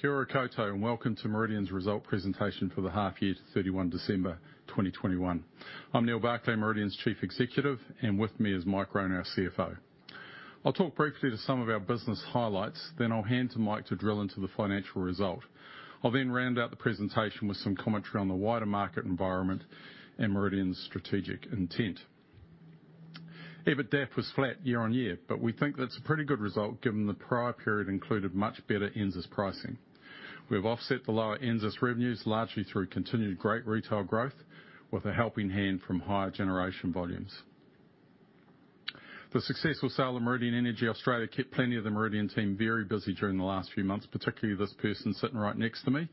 Kia ora koutou and welcome to Meridian's result presentation for the half to 31 December 2021. I'm Neal Barclay, Meridian's Chief Executive, and with me is Mike Roan, our CFO. I'll talk briefly to some of our business highlights, then I'll hand to Mike to drill into the financial result. I'll then round out the presentation with some commentary on the wider market environment and Meridian's strategic intent. EBITDAF was flat year-on-year, but we think that's a pretty good result given the prior period included much better NZAS pricing. We've offset the lower NZAS revenues largely through continued great retail growth with a helping hand from higher generation volumes. The successful sale of Meridian Energy Australia kept plenty of the Meridian team very busy during the last few months, particularly this person sitting right next to me.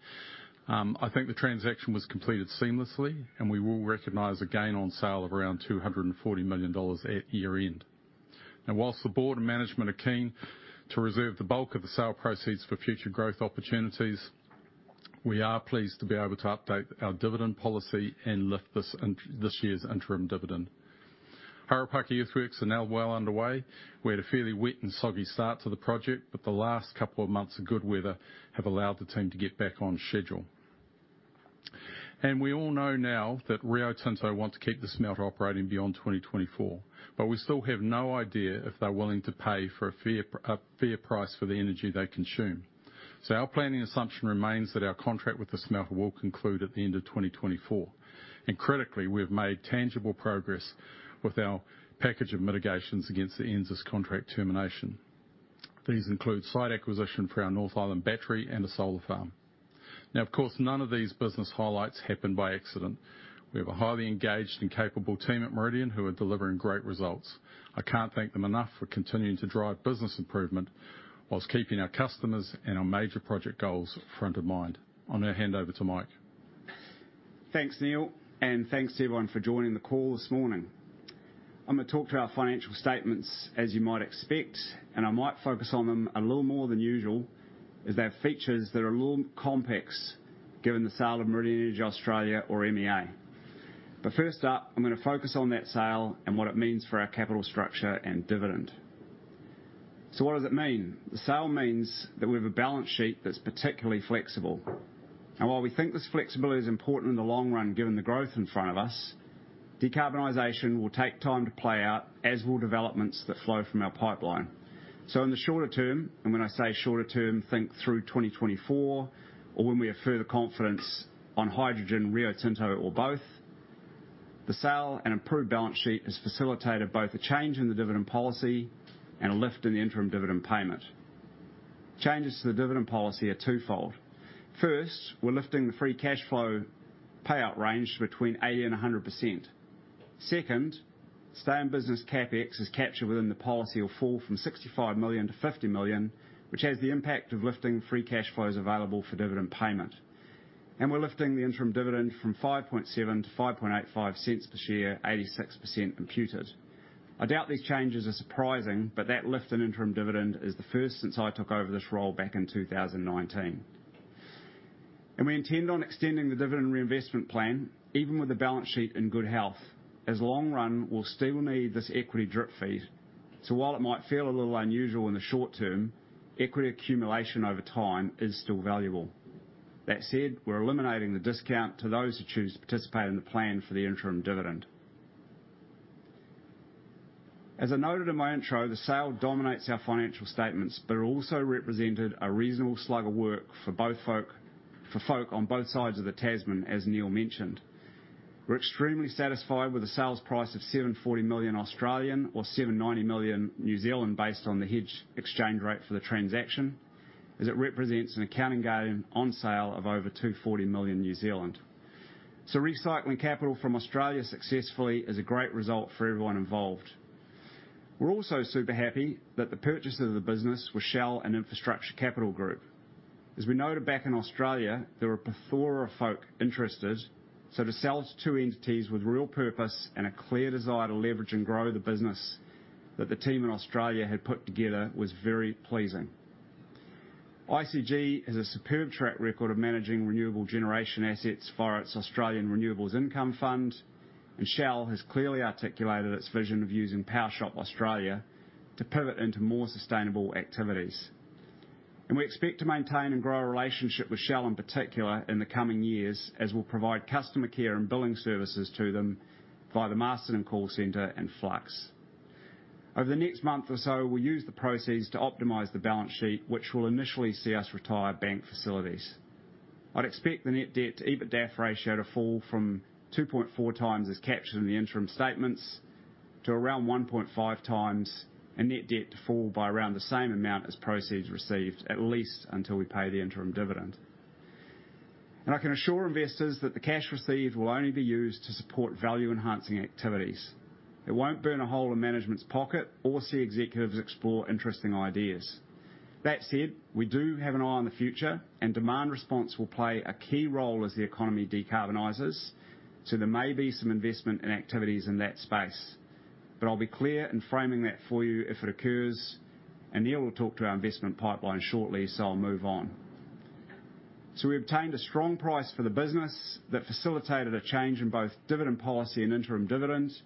I think the transaction was completed seamlessly, and we will recognize a gain on sale of around 240 million dollars at year-end. Now, while the board and management are keen to reserve the bulk of the sale proceeds for future growth opportunities, we are pleased to be able to update our dividend policy and lift this year's interim dividend. Harapaki earthworks are now well underway. We had a fairly wet and soggy start to the project, but the last couple of months of good weather have allowed the team to get back on schedule. We all know now that Rio Tinto want to keep the smelter operating beyond 2024, but we still have no idea if they're willing to pay for a fair price for the energy they consume. Our planning assumption remains that our contract with the smelter will conclude at the end of 2024. Critically, we have made tangible progress with our package of mitigations against the NZAS contract termination. These include site acquisition for our North Island battery and a solar farm. Now, of course, none of these business highlights happened by accident. We have a highly engaged and capable team at Meridian who are delivering great results. I can't thank them enough for continuing to drive business improvement while keeping our customers and our major project goals front of mind. I'll now hand over to Mike. Thanks, Neal, and thanks to everyone for joining the call this morning. I'm gonna talk to our financial statements as you might expect, and I might focus on them a little more than usual as they have features that are a little complex given the sale of Meridian Energy Australia or MEA. First up, I'm gonna focus on that sale and what it means for our capital structure and dividend. What does it mean? The sale means that we have a balance sheet that's particularly flexible. While we think this flexibility is important in the long run, given the growth in front of us, decarbonization will take time to play out as will developments that flow from our pipeline. In the shorter term, and when I say shorter term, think through 2024, or when we have further confidence on hydrogen, Rio Tinto or both, the sale and improved balance sheet has facilitated both a change in the dividend policy and a lift in the interim dividend payment. Changes to the dividend policy are twofold. First, we're lifting the free cash flow payout range between 80%-100%. Second, stay in business CapEx is captured within the policy now falls from 65 million to 50 million, which has the impact of lifting free cash flows available for dividend payment. We're lifting the interim dividend from 0.057 to 0.0585 per share, 86% imputed. I doubt these changes are surprising, but that lift in interim dividend is the first since I took over this role back in 2019. We intend on extending the dividend reinvestment plan, even with the balance sheet in good health, as in the long run, we'll still need this equity drip feed. While it might feel a little unusual in the short term, equity accumulation over time is still valuable. That said, we're eliminating the discount to those who choose to participate in the plan for the interim dividend. As I noted in my intro, the sale dominates our financial statements, but it also represented a reasonable slug of work for folk on both sides of the Tasman, as Neal mentioned. We're extremely satisfied with the sales price of 740 million or 790 million based on the hedge exchange rate for the transaction, as it represents an accounting gain on sale of over 240 million. Recycling capital from Australia successfully is a great result for everyone involved. We're also super happy that the purchasers of the business were Shell and Infrastructure Capital Group. As we noted back in Australia, there were a plethora of folk interested, so to sell to two entities with real purpose and a clear desire to leverage and grow the business that the team in Australia had put together was very pleasing. ICG has a superb track record of managing renewable generation assets for its Australian renewable's income fund, and Shell has clearly articulated its vision of using Powershop Australia to pivot into more sustainable activities. We expect to maintain and grow a relationship with Shell in particular in the coming years, as we'll provide customer care and billing services to them via the Marsden Call Center and Flux. Over the next month or so, we'll use the proceeds to optimize the balance sheet, which will initially see us retire bank facilities. I'd expect the net debt to EBITDAF ratio to fall from 2.4 times as captured in the interim statements to around 1.5 times and net debt to fall by around the same amount as proceeds received, at least until we pay the interim dividend. I can assure investors that the cash received will only be used to support value-enhancing activities. It won't burn a hole in management's pocket or see executives explore interesting ideas. That said, we do have an eye on the future and demand response will play a key role as the economy decarbonizes, so there may be some investment in activities in that space. I'll be clear in framing that for you if it occurs. Neal will talk to our investment pipeline shortly. I'll move on. We obtained a strong price for the business that facilitated a change in both dividend policy and interim dividends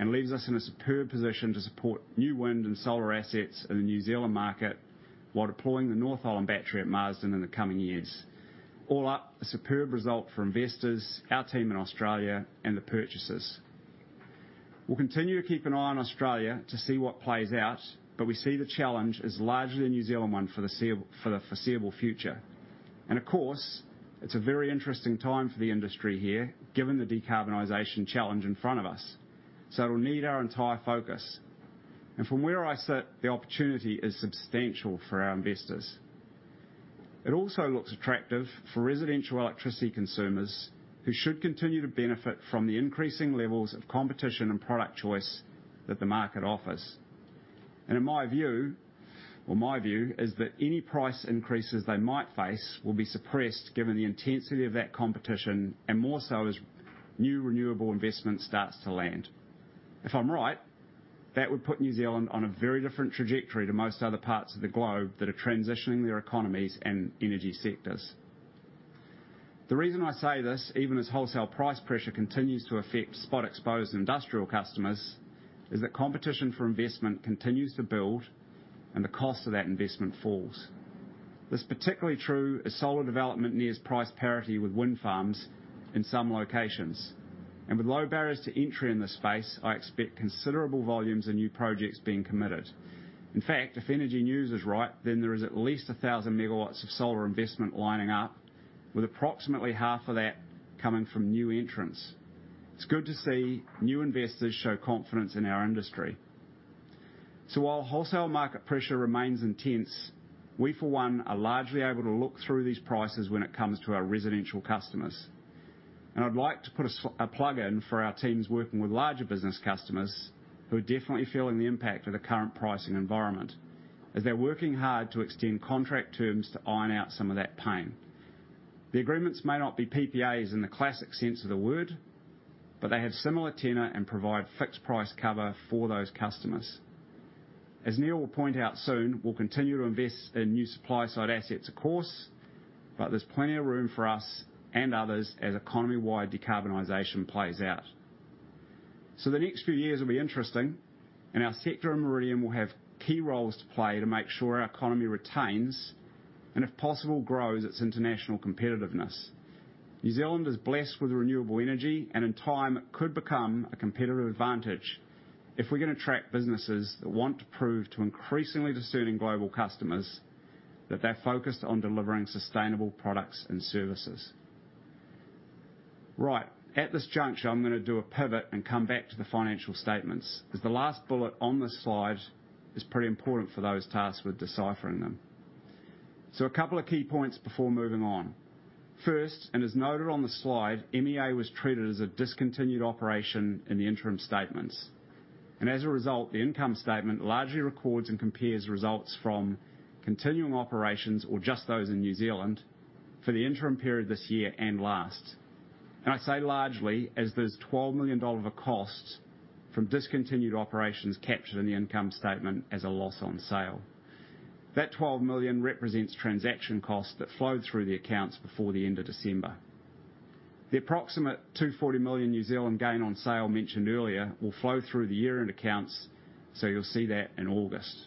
and leaves us in a superb position to support new wind and solar assets in the New Zealand market while deploying the North Island battery at Marsden in the coming years. All up, a superb result for investors, our team in Australia and the purchasers. We'll continue to keep an eye on Australia to see what plays out, but we see the challenge as largely a New Zealand one for the foreseeable future. Of course, it's a very interesting time for the industry here, given the decarbonization challenge in front of us. It'll need our entire focus. From where I sit, the opportunity is substantial for our investors. It also looks attractive for residential electricity consumers, who should continue to benefit from the increasing levels of competition and product choice that the market offers. Well, my view is that any price increases they might face will be suppressed given the intensity of that competition, and more so as new renewable investment starts to land. If I'm right, that would put New Zealand on a very different trajectory to most other parts of the globe that are transitioning their economies and energy sectors. The reason I say this, even as wholesale price pressure continues to affect spot-exposed industrial customers, is that competition for investment continues to build and the cost of that investment falls. That's particularly true as solar development nears price parity with wind farms in some locations. With low barriers to entry in this space, I expect considerable volumes and new projects being committed. In fact, if Energy News is right, then there is at least 1,000 MW of solar investment lining up, with approximately half of that coming from new entrants. It's good to see new investors show confidence in our industry. While wholesale market pressure remains intense, we, for one, are largely able to look through these prices when it comes to our residential customers. I'd like to put a plug in for our teams working with larger business customers who are definitely feeling the impact of the current pricing environment, as they're working hard to extend contract terms to iron out some of that pain. The agreements may not be PPAs in the classic sense of the word, but they have similar tenure and provide fixed price cover for those customers. As Neal will point out soon, we'll continue to invest in new supply side assets, of course, but there's plenty of room for us and others as economy-wide decarbonization plays out. The next few years will be interesting, and our sector and Meridian will have key roles to play to make sure our economy retains, and if possible, grows its international competitiveness. New Zealand is blessed with renewable energy, and in time could become a competitive advantage if we're gonna attract businesses that want to prove to increasingly discerning global customers that they're focused on delivering sustainable products and services. Right. At this juncture, I'm gonna do a pivot and come back to the financial statements, 'cause the last bullet on this slide is pretty important for those tasked with deciphering them. A couple of key points before moving on. First, and as noted on the slide, MEA was treated as a discontinued operation in the interim statements. As a result, the income statement largely records and compares results from continuing operations or just those in New Zealand for the interim period this year and last. I say largely, as there's 12 million dollar of a cost from discontinued operations captured in the income statement as a loss on sale. That 12 million represents transaction costs that flowed through the accounts before the end of December. The approximate 240 million gain on sale mentioned earlier will flow through the year-end accounts, so you'll see that in August.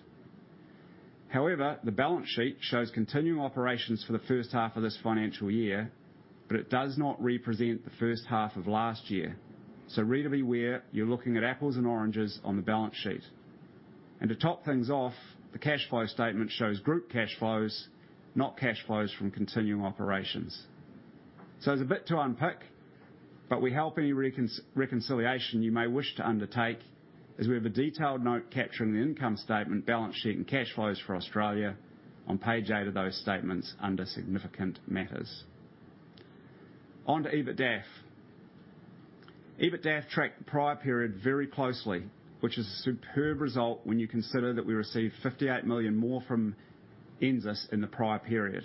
However, the balance sheet shows continuing operations for the first half of this financial year, but it does not represent the first half of last year. Reader beware; you're looking at apples and oranges on the balance sheet. To top things off, the cash flow statement shows group cash flows, not cash flows from continuing operations. There's a bit to unpack, but we help any reconciliation you may wish to undertake, as we have a detailed note capturing the income statement, balance sheet, and cash flows for Australia on page 8 of those statements under significant matters. On to EBITDAF. EBITDAF tracked the prior period very closely, which is a superb result when you consider that we received 58 million more from NZAS in the prior period.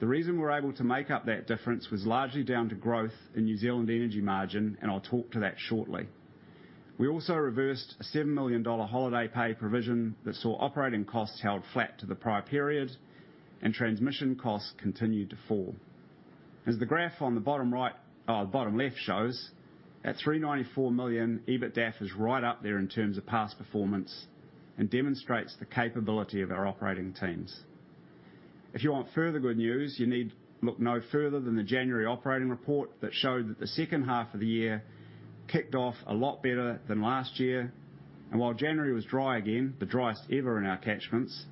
The reason we're able to make up that difference was largely down to growth in New Zealand energy margin, and I'll talk to that shortly. We also reversed a 7 million dollar holiday pay provision that saw operating costs held flat to the prior period, and transmission costs continued to fall. As the graph on the bottom right, bottom left shows, at 394 million, EBITDAF is right up there in terms of past performance and demonstrates the capability of our operating teams. If you want further good news, you need look no further than the January operating report that showed that the second half of the year kicked off a lot better than last year. While January was dry again, the driest ever in our catchments,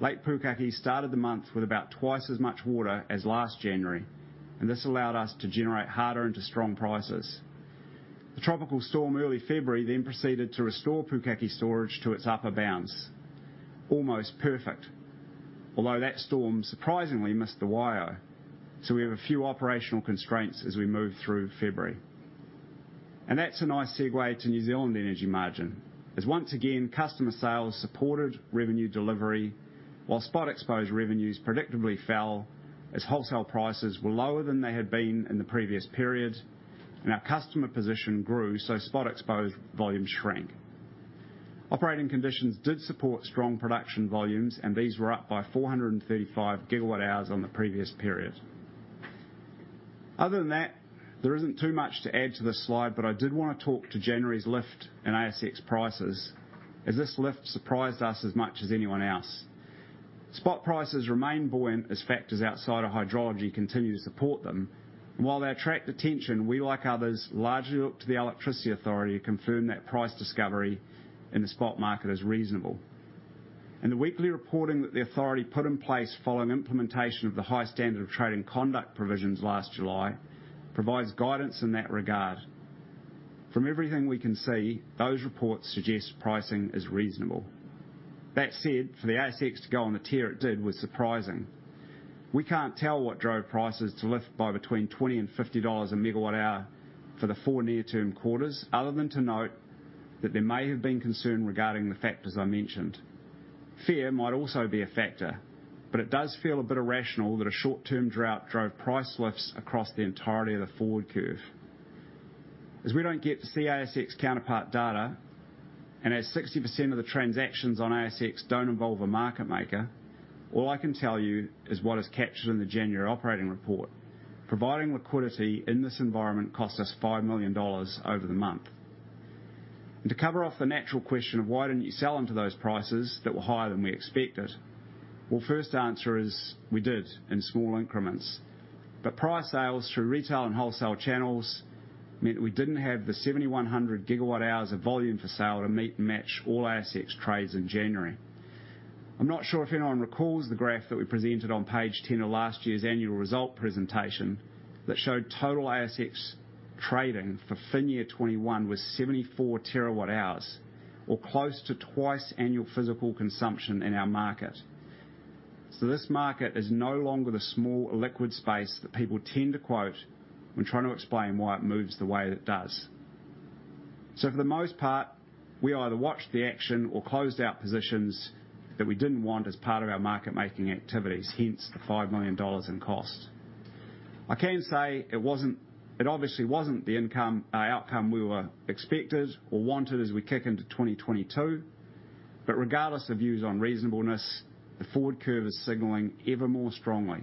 Lake Pukaki started the month with about twice as much water as last January, and this allowed us to generate harder into strong prices. The tropical storm early February then proceeded to restore Pukaki storage to its upper bounds. Almost perfect. Although that storm surprisingly missed the wire, so we have a few operational constraints as we move through February. That's a nice segue to New Zealand energy margin. As once again, customer sales supported revenue delivery, while spot exposed revenues predictably fell as wholesale prices were lower than they had been in the previous period, and our customer position grew, so spot exposed volumes shrank. Operating conditions did support strong production volumes, and these were up by 435 GWh on the previous period. Other than that, there isn't too much to add to this slide, but I did wanna talk to January's lift in ASX prices as this lift surprised us as much as anyone else. Spot prices remain buoyant as factors outside of hydrology continue to support them. While they attract attention, we, like others, largely look to the Electricity Authority to confirm that price discovery in the spot market is reasonable. The weekly reporting that the Authority put in place following implementation of the high standard of trading conduct provisions last July provides guidance in that regard. From everything we can see, those reports suggest pricing is reasonable. That said, for the ASX to go on the tear it did was surprising. We can't tell what drove prices to lift by between 20-50 dollars/MWh for the 4 near-term s, other than to note that there may have been concern regarding the factors I mentioned. Fear might also be a factor, but it does feel a bit irrational that a short-term drought drove price lifts across the entirety of the forward curve. As we don't get to see ASX counterpart data, and as 60% of the transactions on ASX don't involve a market maker, all I can tell you is what is captured in the January operating report. Providing liquidity in this environment cost us 5 million dollars over the month. To cover off the natural question of why didn't you sell into those prices that were higher than we expected. Well, first answer is we did in small increments. High sales through retail and wholesale channels meant we didn't have the 7,100 GWh of volume for sale to meet and match all ASX trades in January. I'm not sure if anyone recalls the graph that we presented on page 10 of last year's annual results presentation that showed total ASX trading for FY 2021 was 74 TWh or close to twice annual physical consumption in our market. This market is no longer the small illiquid space that people tend to quote when trying to explain why it moves the way it does. For the most part, we either watched the action or closed out positions that we didn't want as part of our market making activities, hence the 5 million dollars in costs. It obviously wasn't the income outcome we were expected or wanted as we kick into 2022, but regardless of views on reasonableness, the forward curve is signaling ever more strongly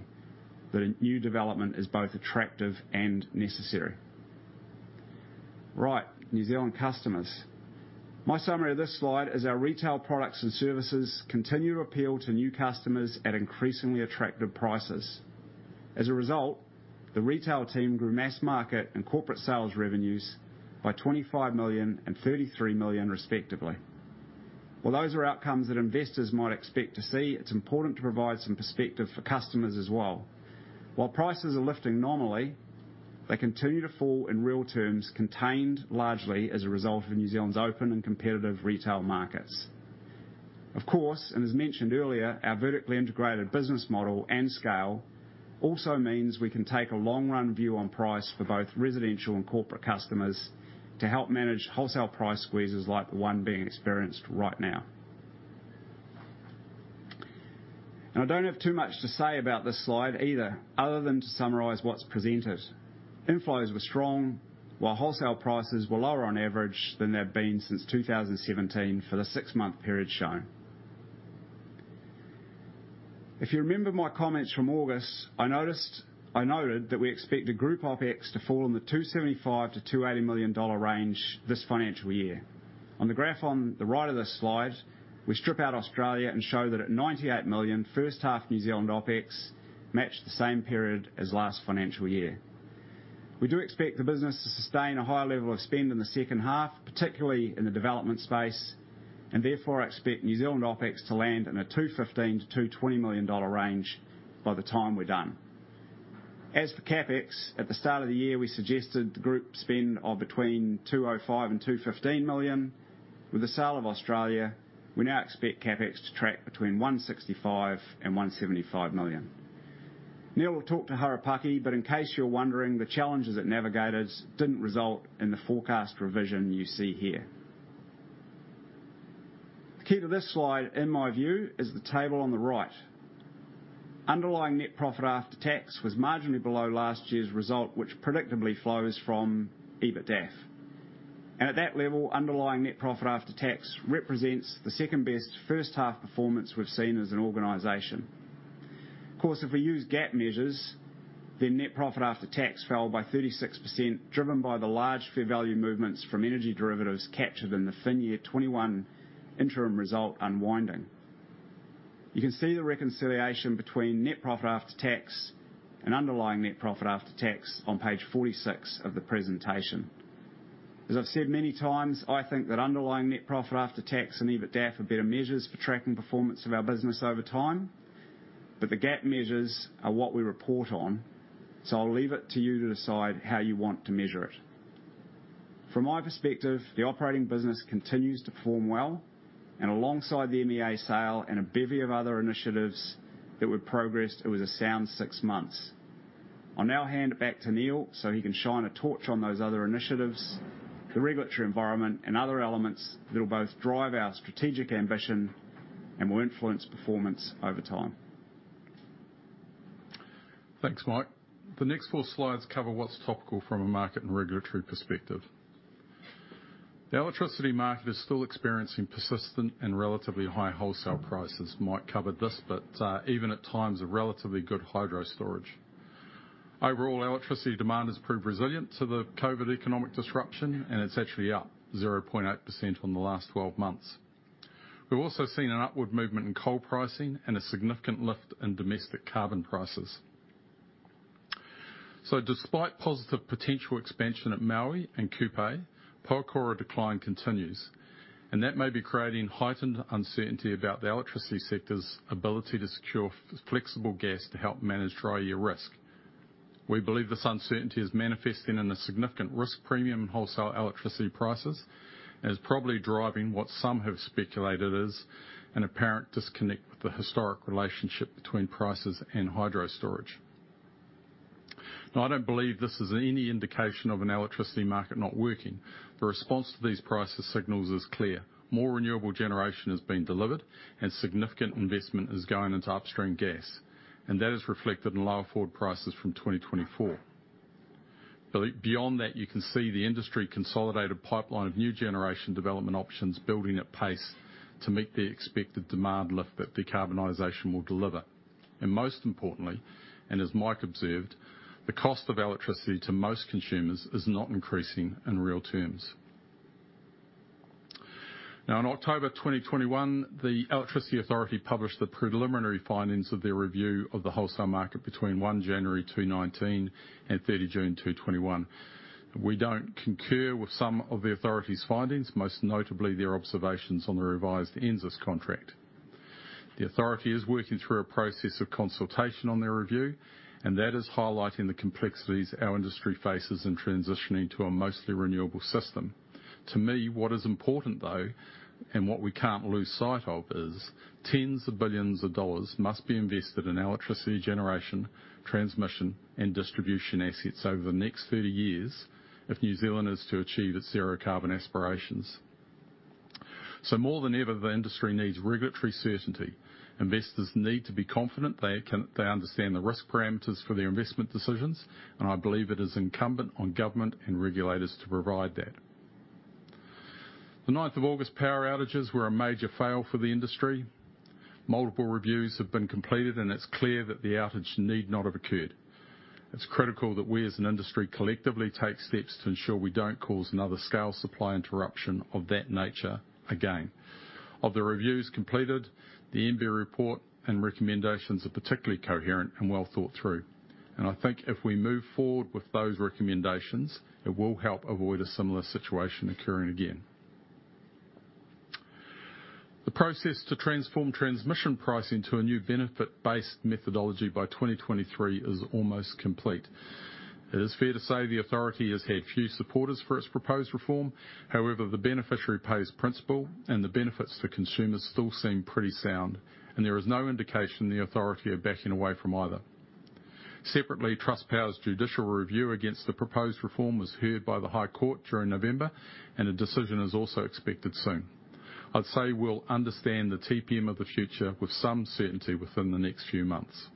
that a new development is both attractive and necessary. Right. New Zealand customers. My summary of this slide is our retail products and services continue to appeal to new customers at increasingly attractive prices. As a result, the retail team grew mass market and corporate sales revenues by 25 million and 33 million, respectively. While those are outcomes that investors might expect to see, it's important to provide some perspective for customers as well. While prices are lifting nominally, they continue to fall in real terms, contained largely as a result of New Zealand's open and competitive retail markets. Of course, as mentioned earlier, our vertically integrated business model and scale also means we can take a long run view on price for both residential and corporate customers to help manage wholesale price squeezes like the one being experienced right now. Now, I don't have too much to say about this slide either other than to summarize what's presented. Inflows were strong, while wholesale prices were lower on average than they've been since 2017 for the six-month period shown. If you remember my comments from August, I noted that we expect the group OpEx to fall in the 275 million-280 million dollar range this financial year. On the graph on the right of this slide, we strip out Australia and show that at 98 million, first half New Zealand OpEx matched the same period as last financial year. We do expect the business to sustain a higher level of spend in the second half, particularly in the development space, and therefore expect New Zealand OpEx to land in a 215 million-220 million dollar range by the time we're done. As for CapEx, at the start of the year, we suggested the group spend of between 205 million and 215 million. With the sale of Australia, we now expect CapEx to track between 165 million and 175 million. Neil will talk about Harapaki, but in case you're wondering, the challenges at Harapaki didn't result in the forecast revision you see here. The key to this slide, in my view, is the table on the right. Underlying net profit after tax was marginally below last year's result, which predictably flows from EBITDAF. At that level, underlying net profit after tax represents the second best first half performance we've seen as an organization. Of course, if we use GAAP measures, then net profit after tax fell by 36%, driven by the large fair value movements from energy derivatives captured in the FY 2021 interim result unwinding. You can see the reconciliation between net profit after tax and underlying net profit after tax on page 46 of the presentation. As I've said many times, I think that underlying net profit after tax and EBITDAF are better measures for tracking performance of our business over time, but the GAAP measures are what we report on, so I'll leave it to you to decide how you want to measure it. From my perspective, the operating business continues to form well, and alongside the MEA sale and a bevy of other initiatives that we've progressed, it was a sound six months. I'll now hand it back to Neal so he can shine a torch on those other initiatives, the regulatory environment, and other elements that'll both drive our strategic ambition and will influence performance over time. Thanks, Mike. The next four slides cover what's topical from a market and regulatory perspective. The electricity market is still experiencing persistent and relatively high wholesale prices. Mike covered this, but even at times of relatively good hydro storage, overall electricity demand has proved resilient to the COVID economic disruption, and it's actually up 0.8% on the last 12 months. We've also seen an upward movement in coal pricing and a significant lift in domestic carbon prices. Despite positive potential expansion at Maui and Kupe, Pohokura decline continues, and that may be creating heightened uncertainty about the electricity sector's ability to secure flexible gas to help manage dry year risk. We believe this uncertainty is manifesting in a significant risk premium in wholesale electricity prices and is probably driving what some have speculated as an apparent disconnect with the historic relationship between prices and hydro storage. Now, I don't believe this is any indication of an electricity market not working. The response to these prices signals is clear. More renewable generation is being delivered and significant investment is going into upstream gas, and that is reflected in lower forward prices from 2024. Beyond that, you can see the industry consolidated pipeline of new generation development options building at pace to meet the expected demand lift that decarbonization will deliver. Most importantly, and as Mike Roan observed, the cost of electricity to most consumers is not increasing in real terms. In October 2021, the Electricity Authority published the preliminary findings of their review of the wholesale market between 1 January 2019 and 30 June 2021. We don't concur with some of the authority's findings, most notably their observations on the revised NZAS contract. The authority is working through a process of consultation on their review, and that is highlighting the complexities our industry faces in transitioning to a mostly renewable system. To me, what is important, though, and what we can't lose sight of, is tens of billions NZD must be invested in electricity generation, transmission, and distribution assets over the next 30 years if New Zealand is to achieve its zero carbon aspirations. More than ever, the industry needs regulatory certainty. Investors need to be confident they understand the risk parameters for their investment decisions, and I believe it is incumbent on government and regulators to provide that. The ninth of August power outages were a major fail for the industry. Multiple reviews have been completed, and it's clear that the outage need not have occurred. It's critical that we, as an industry, collectively take steps to ensure we don't cause another scale supply interruption of that nature again. Of the reviews completed, the MBIE report and recommendations are particularly coherent and well thought through, and I think if we move forward with those recommendations, it will help avoid a similar situation occurring again. The process to transform transmission pricing to a new benefit-based methodology by 2023 is almost complete. It is fair to say the authority has had few supporters for its proposed reform. However, the beneficiary pays principle and the benefits to consumers still seem pretty sound, and there is no indication the authority are backing away from either. Separately, Trustpower's judicial review against the proposed reform was heard by the High Court during November, and a decision is also expected soon. I'd say we'll understand the TPM of the future with some certainty within the next few months.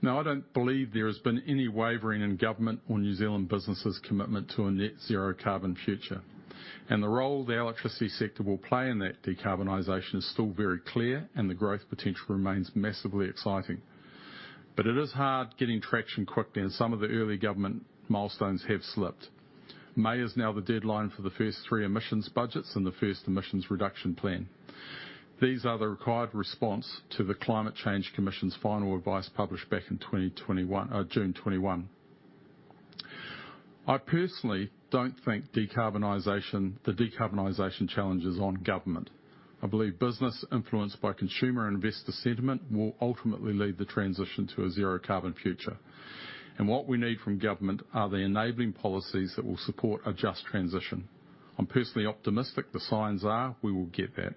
Now, I don't believe there has been any wavering in government or New Zealand businesses' commitment to a net zero carbon future. The role the electricity sector will play in that decarbonization is still very clear and the growth potential remains massively exciting. It is hard getting traction quickly, and some of the early government milestones have slipped. May is now the deadline for the first three emissions budgets and the first emissions reduction plan. These are the required response to the Climate Change Commission's final advice published back in 2021, June 2021. I personally don't think the decarbonization challenge is on government. I believe business influenced by consumer and investor sentiment will ultimately lead the transition to a zero-carbon future. What we need from government are the enabling policies that will support a just transition. I'm personally optimistic the signs are we will get that.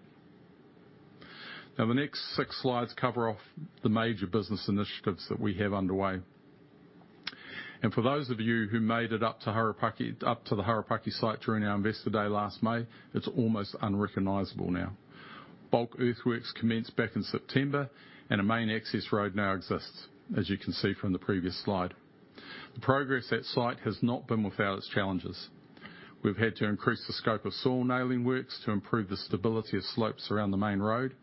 Now, the next 6 slides cover off the major business initiatives that we have underway. For those of you who made it up to the Harapaki site during our Investor Day last May, it's almost unrecognizable now. Bulk earthworks commenced back in September, and a main access road now exists, as you can see from the previous slide. The progress at site has not been without its challenges. We've had to increase the scope of soil nailing works to improve the stability of slopes around the main road.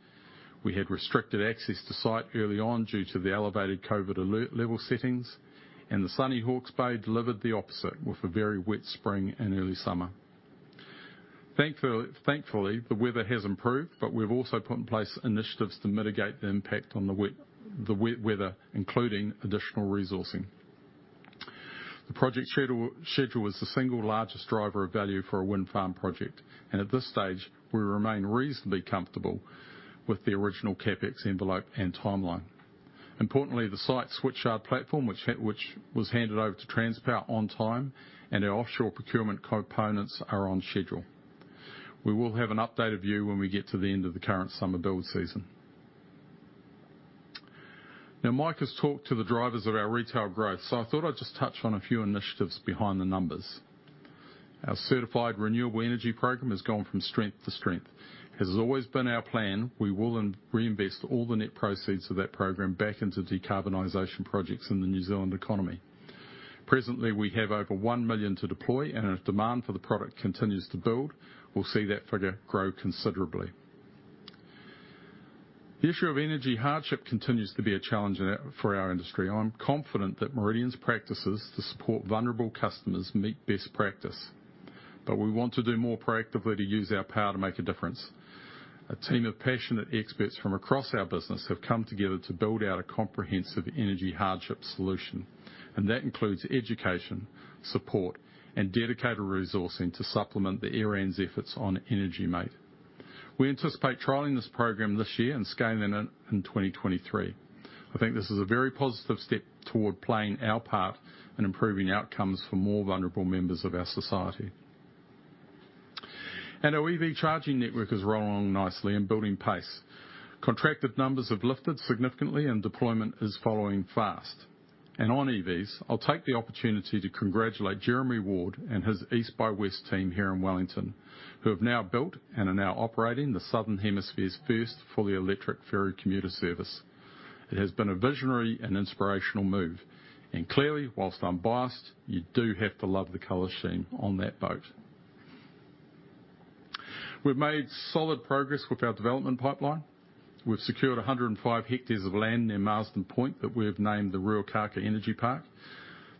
We had restricted access to site early on due to the elevated COVID alert level settings, and the sunny Hawke's Bay delivered the opposite with a very wet spring and early summer. Thankfully, the weather has improved, but we've also put in place initiatives to mitigate the impact on the wet weather, including additional resourcing. The project schedule is the single largest driver of value for a wind farm project, and at this stage, we remain reasonably comfortable with the original CapEx envelope and timeline. Importantly, the site switchyard platform which was handed over to Transpower on time and our offshore procurement components are on schedule. We will have an updated view when we get to the end of the current summer build season. Mike has talked to the drivers of our retail growth, so I thought I'd just touch on a few initiatives behind the numbers. Our certified renewable energy program has gone from strength to strength. As has always been our plan, we will reinvest all the net proceeds of that program back into decarbonization projects in the New Zealand economy. Presently, we have over 1 million to deploy and if demand for the product continues to build, we'll see that figure grow considerably. The issue of energy hardship continues to be a challenge for our industry. I'm confident that Meridian's practices to support vulnerable customers meet best practice. We want to do more proactively to use our power to make a difference. A team of passionate experts from across our business have come together to build out a comprehensive energy hardship solution. That includes education, support, and dedicated resourcing to supplement the ERNZ efforts on EnergyMate. We anticipate trialing this program this year and scaling it in 2023. I think this is a very positive step toward playing our part in improving outcomes for more vulnerable members of our society. Our EV charging network is rolling along nicely and building pace. Contracted numbers have lifted significantly and deployment is following fast. On EVs, I'll take the opportunity to congratulate Jeremy Ward and his East by West team here in Wellington, who have now built and are now operating the Southern Hemisphere's first fully electric ferry commuter service. It has been a visionary and inspirational move. Clearly, while unbiased, you do have to love the color scheme on that boat. We've made solid progress with our development pipeline. We've secured 105 hectares of land near Marsden Point that we have named the Ruakaka Energy Park.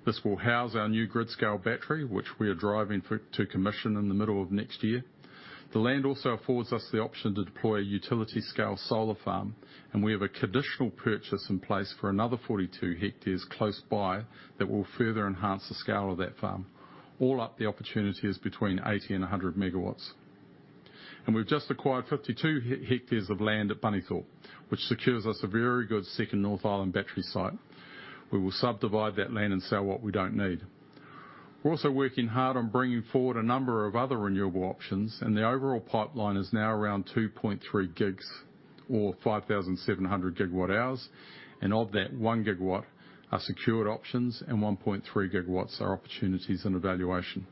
This will house our new grid-scale battery which we are to commission in the middle of next year. The land also affords us the option to deploy a utility-scale solar farm, and we have a conditional purchase in place for another 42 hectares close by that will further enhance the scale of that farm. All up the opportunity is between 80-100 MW. We've just acquired 52 hectares of land at Bunnythorpe, which secures us a very good second North Island battery site. We will subdivide that land and sell what we don't need. We're also working hard on bringing forward a number of other renewable options, and the overall pipeline is now around 2.3 GW or 5,700 GWh. Of that, 1 GW are secured options, and 1.3 GW are opportunities in evaluation.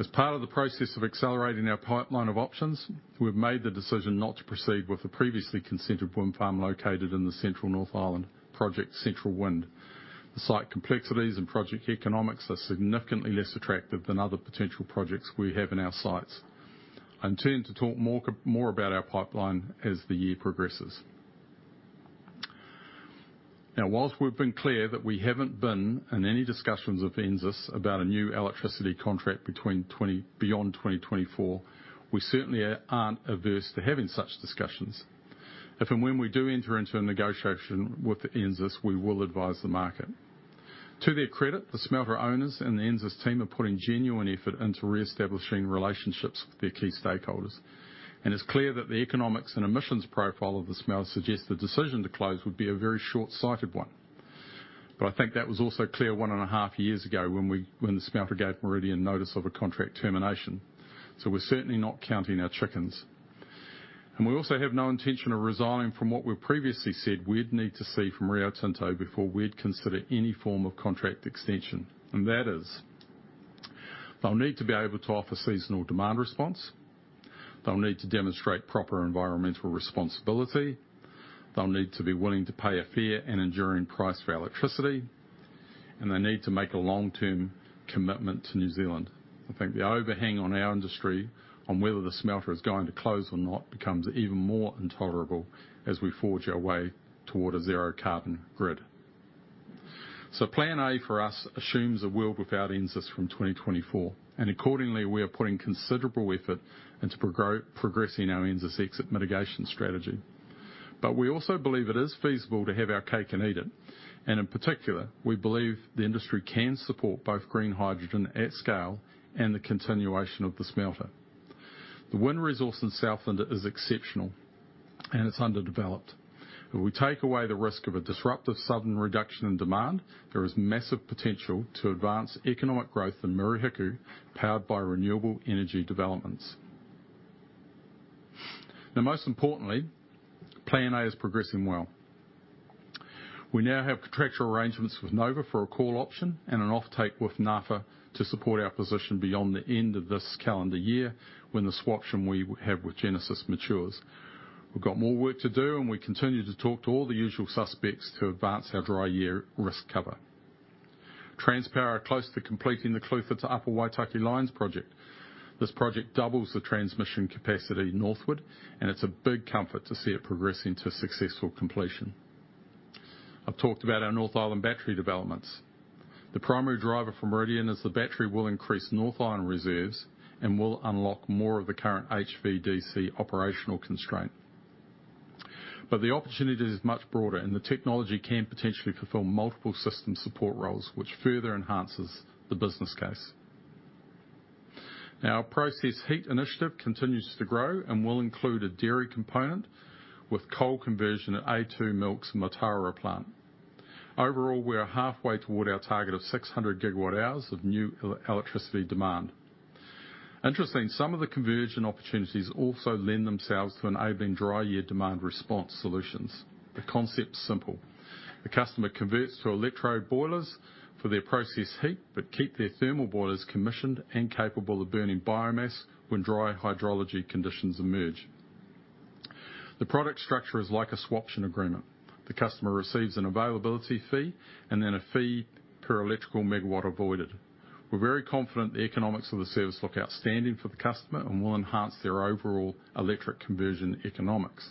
As part of the process of accelerating our pipeline of options, we've made the decision not to proceed with the previously consented wind farm located in the central North Island project, Central Wind. The site complexities and project economics are significantly less attractive than other potential projects we have in our sights. I intend to talk more about our pipeline as the year progresses. Now, while we've been clear that we haven't been in any discussions with NZAS about a new electricity contract beyond 2024, we certainly aren't averse to having such discussions. If and when we do enter into a negotiation with the NZAS, we will advise the market. To their credit, the smelter owners and the NZAS team are putting genuine effort into reestablishing relationships with their key stakeholders. It's clear that the economics and emissions profile of the smelter suggest the decision to close would be a very short-sighted one. I think that was also clear one and a half years ago when the smelter gave Meridian notice of a contract termination. We're certainly not counting our chickens. We also have no intention of resigning from what we previously said we'd need to see from Rio Tinto before we'd consider any form of contract extension. That is, they'll need to be able to offer seasonal demand response. They'll need to demonstrate proper environmental responsibility. They'll need to be willing to pay a fair and enduring price for electricity, and they need to make a long-term commitment to New Zealand. I think the overhang on our industry on whether the smelter is going to close or not becomes even more intolerable as we forge our way toward a zero-carbon grid. Plan A for us assumes a world without NZAS from 2024, and accordingly, we are putting considerable effort into progressing our NZAS exit mitigation strategy. We also believe it is feasible to have our cake and eat it. In particular, we believe the industry can support both green hydrogen at scale and the continuation of the smelter. The wind resource in Southland is exceptional, and it's underdeveloped. If we take away the risk of a disruptive sudden reduction in demand, there is massive potential to advance economic growth in Murihiku, powered by renewable energy developments. Now, most importantly, plan A is progressing well. We now have contractual arrangements with Nova for a call option and an offtake with NAPA to support our position beyond the end of this calendar year when the swap option we have with Genesis matures. We've got more work to do, and we continue to talk to all the usual suspects to advance our dry year risk cover. Transpower are close to completing the Clutha to Upper Waitaki lines project. This project doubles the transmission capacity northward, and it's a big comfort to see it progressing to successful completion. I've talked about our North Island battery developments. The primary driver for Meridian is the battery will increase North Island reserves and will unlock more of the current HVDC operational constraint. The opportunity is much broader, and the technology can potentially fulfill multiple system support roles, which further enhances the business case. Now, our process heat initiative continues to grow and will include a dairy component with coal conversion at a2 Milk's Mataura plant. Overall, we are halfway toward our target of 600 GWh of new electricity demand. Interestingly, some of the conversion opportunities also lend themselves to enabling dry year demand response solutions. The concept's simple. The customer converts to electric boilers for their process heat, but keep their thermal boilers commissioned and capable of burning biomass when dry hydrology conditions emerge. The product structure is like a swaption agreement. The customer receives an availability fee and then a fee per electrical megawatt avoided. We're very confident the economics of the service look outstanding for the customer and will enhance their overall electric conversion economics.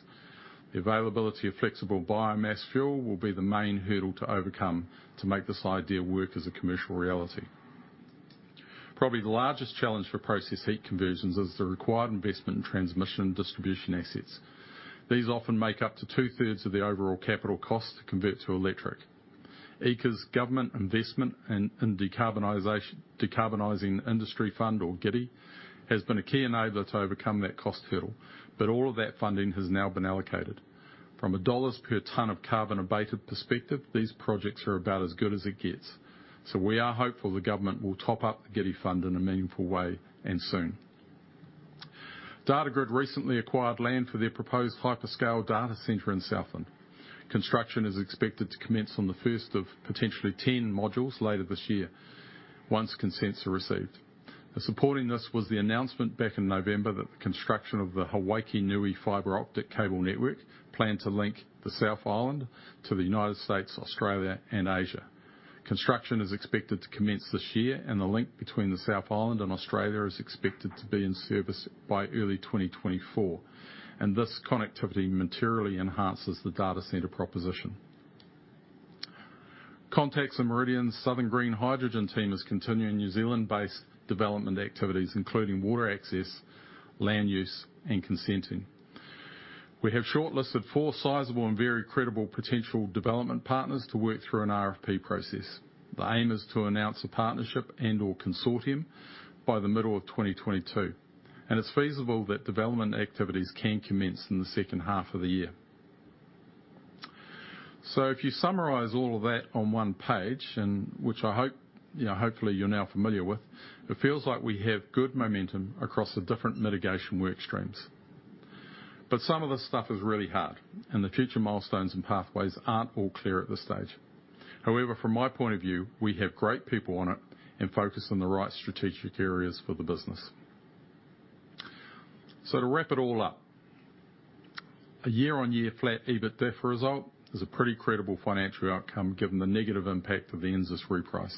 The availability of flexible biomass fuel will be the main hurdle to overcome to make this idea work as a commercial reality. Probably the largest challenge for process heat conversions is the required investment in transmission and distribution assets. These often make up to two-thirds of the overall capital cost to convert to electric. EECA's Government Investment in Decarbonization, Decarbonizing Industry Fund, or GIDI, has been a key enabler to overcome that cost hurdle, but all of that funding has now been allocated. From a NZD per ton of carbon abated perspective, these projects are about as good as it gets, so we are hopeful the government will top up the GIDI fund in a meaningful way and soon. Datagrid recently acquired land for their proposed hyperscale data center in Southland. Construction is expected to commence on the first of potentially 10 modules later this year once consents are received. Supporting this was the announcement back in November that the construction of the Hawaiki Nui fiber optic cable network planned to link the South Island to the United States, Australia, and Asia. Construction is expected to commence this year, and the link between the South Island and Australia is expected to be in service by early 2024, and this connectivity materially enhances the data center proposition. Contact's and Meridian's Southern Green Hydrogen team is continuing New Zealand-based development activities, including water access, land use, and consenting. We have shortlisted 4 sizable and very credible potential development partners to work through an RFP process. The aim is to announce a partnership and/or consortium by the middle of 2022, and it's feasible that development activities can commence in the second half of the year. If you summarize all of that on one page and which I hope, hopefully you're now familiar with, it feels like we have good momentum across the different mitigation work streams. Some of the stuff is really hard, and the future milestones and pathways aren't all clear at this stage. However, from my point of view, we have great people on it and focused on the right strategic areas for the business. To wrap it all up, a year-on-year flat EBITDA result is a pretty credible financial outcome given the negative impact of the NZAS reprice.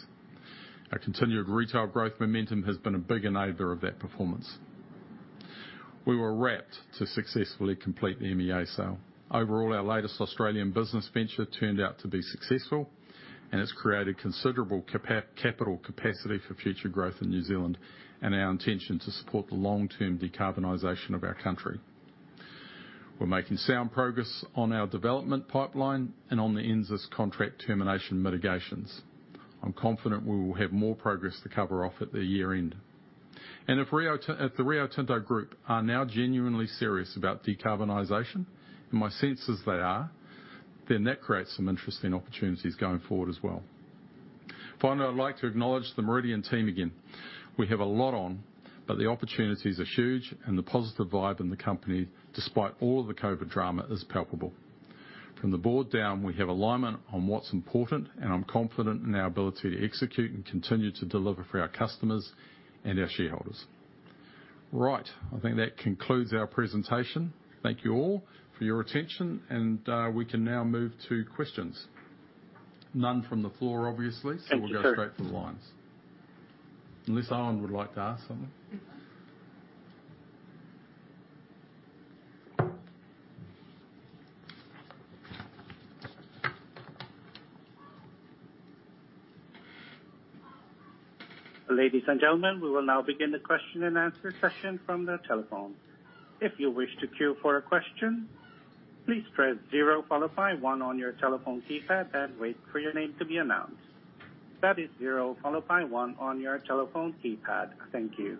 Our continued retail growth momentum has been a big enabler of that performance. We were rapt to successfully complete the MEA sale. Overall, our latest Australian business venture turned out to be successful, and it's created considerable capacity for future growth in New Zealand and our intention to support the long-term decarbonization of our country. We're making sound progress on our development pipeline and on the NZAS contract termination mitigations. I'm confident we will have more progress to cover off at the year-end. If the Rio Tinto group are now genuinely serious about decarbonization, and my sense is they are, then that creates some interesting opportunities going forward as well. Finally, I'd like to acknowledge the Meridian team again. We have a lot on, but the opportunities are huge and the positive vibe in the company, despite all of the COVID drama, is palpable. From the board down, we have alignment on what's important, and I'm confident in our ability to execute and continue to deliver for our customers and our shareholders. Right. I think that concludes our presentation. Thank you all for your attention, and we can now move to questions. None from the floor, obviously. Thank you, Peter. We'll go straight to the lines. Unless Owen would like to ask something. Ladies and gentlemen, we will now begin the question-and-answer session from the telephone. If you wish to queue for a question, please press zero followed by one on your telephone keypad and wait for your name to be announced. That is zero followed by one on your telephone keypad. Thank you.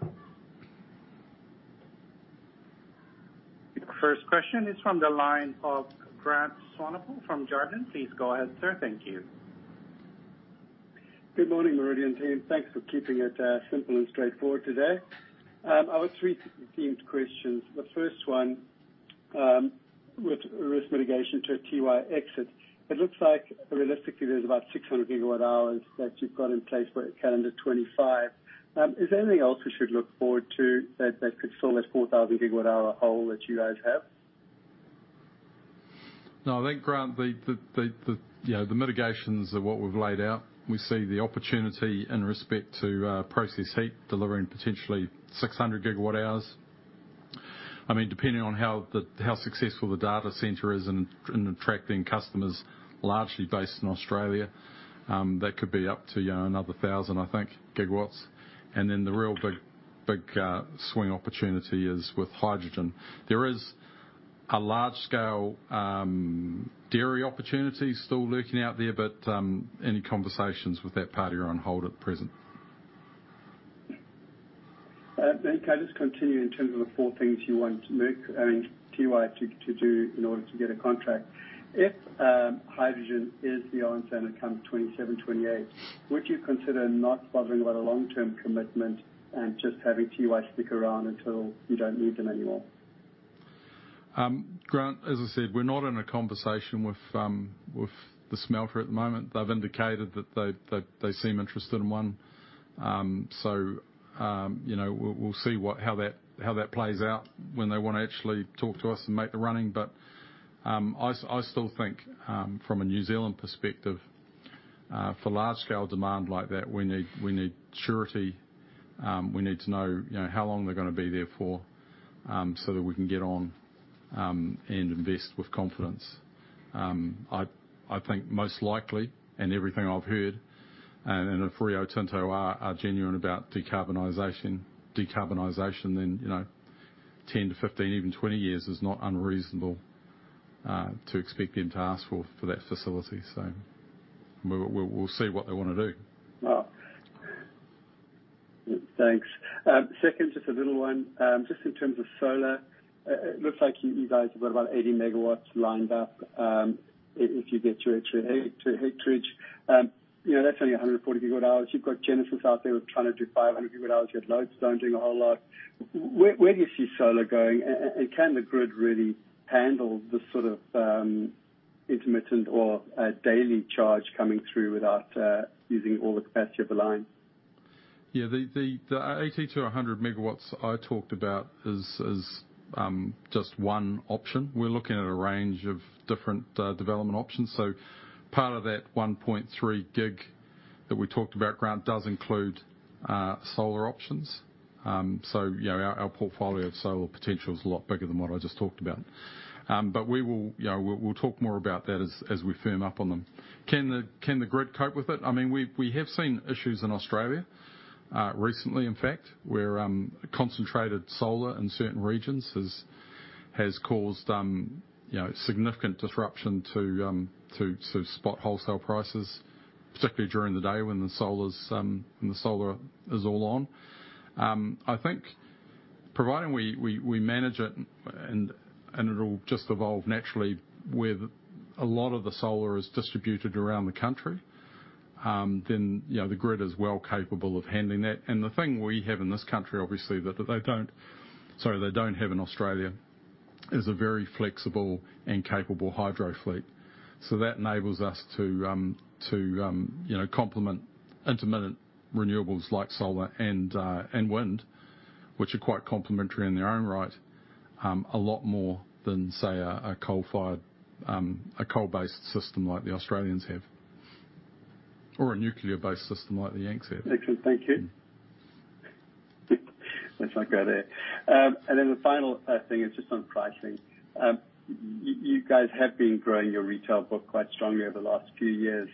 The first question is from the line of Grant Sunnema from Jarden. Please go ahead, sir. Thank you. Good morning, Meridian team. Thanks for keeping it simple and straightforward today. I have three themed questions. The first one, with risk mitigation to a Tiwai exit, it looks like realistically there's about 600 GWh that you've got in place for calendar 2025. Is there anything else we should look forward to that could fill this 4,000 GWh hole that you guys have? No, I think, Grant Sunnema, the mitigations are what we've laid out. We see the opportunity in respect to process heat delivering potentially 600 gigawatt hours. I mean, depending on how successful the data center is in attracting customers largely based in Australia, that could be up to, another 1,000, I think, gigawatts. The real big swing opportunity is with hydrogen. There is a large-scale dairy opportunity still lurking out there, but any conversations with that party are on hold at present. Can I just continue in terms of the four things you want to make, I mean, Tiwai to do in order to get a contract. If hydrogen is the answer and it comes 2027, 2028, would you consider not bothering about a long-term commitment and just having Tiwai stick around until you don't need them anymore? Grant, as I said, we're not in a conversation with the smelter at the moment. They've indicated that they seem interested in one. You know, we'll see how that plays out when they wanna actually talk to us and make the running. I still think, from a New Zealand perspective, for large scale demand like that, we need surety. We need to know, how long they're gonna be there for, so that we can get on and invest with confidence. I think most likely, and everything I've heard, and if Rio Tinto are genuine about decarbonization, then, 10-15, even 20 years is not unreasonable to expect them to ask for that facility. We'll see what they wanna do. Well, thanks. Second, just a little one. Just in terms of solar, it looks like you guys have got about 80 MW lined up, if you get your acreage. You know, that's only 140 GWh. You've got Genesis out there trying to do 500 GWh. You have Lodestone doing a whole lot. Where do you see solar going? And can the grid really handle the sort of intermittent or daily charge coming through without using all the capacity of the lines? Yeah. The 80-100 MW I talked about is just one option. We're looking at a range of different development options. Part of that 1.3 GW that we talked about, Grant, does include solar options. Yeah, our portfolio of solar potential is a lot bigger than what I just talked about. We will, we'll talk more about that as we firm up on them. Can the grid cope with it? I mean, we have seen issues in Australia recently, in fact, where concentrated solar in certain regions has caused, significant disruption to spot wholesale prices, particularly during the day when the solar is all on. I think providing we manage it and it'll just evolve naturally where a lot of the solar is distributed around the country, then, the grid is well capable of handling that. The thing we have in this country, obviously, that they don't have in Australia, is a very flexible and capable hydro fleet. That enables us to, complement intermittent renewables like solar and wind, which are quite complementary in their own right, a lot more than, say, a coal-fired, a coal-based system like the Australians have, or a nuclear-based system like the Yanks have. Excellent. Thank you. Let's not go there. Then the final thing is just on pricing. You guys have been growing your retail book quite strongly over the last few years.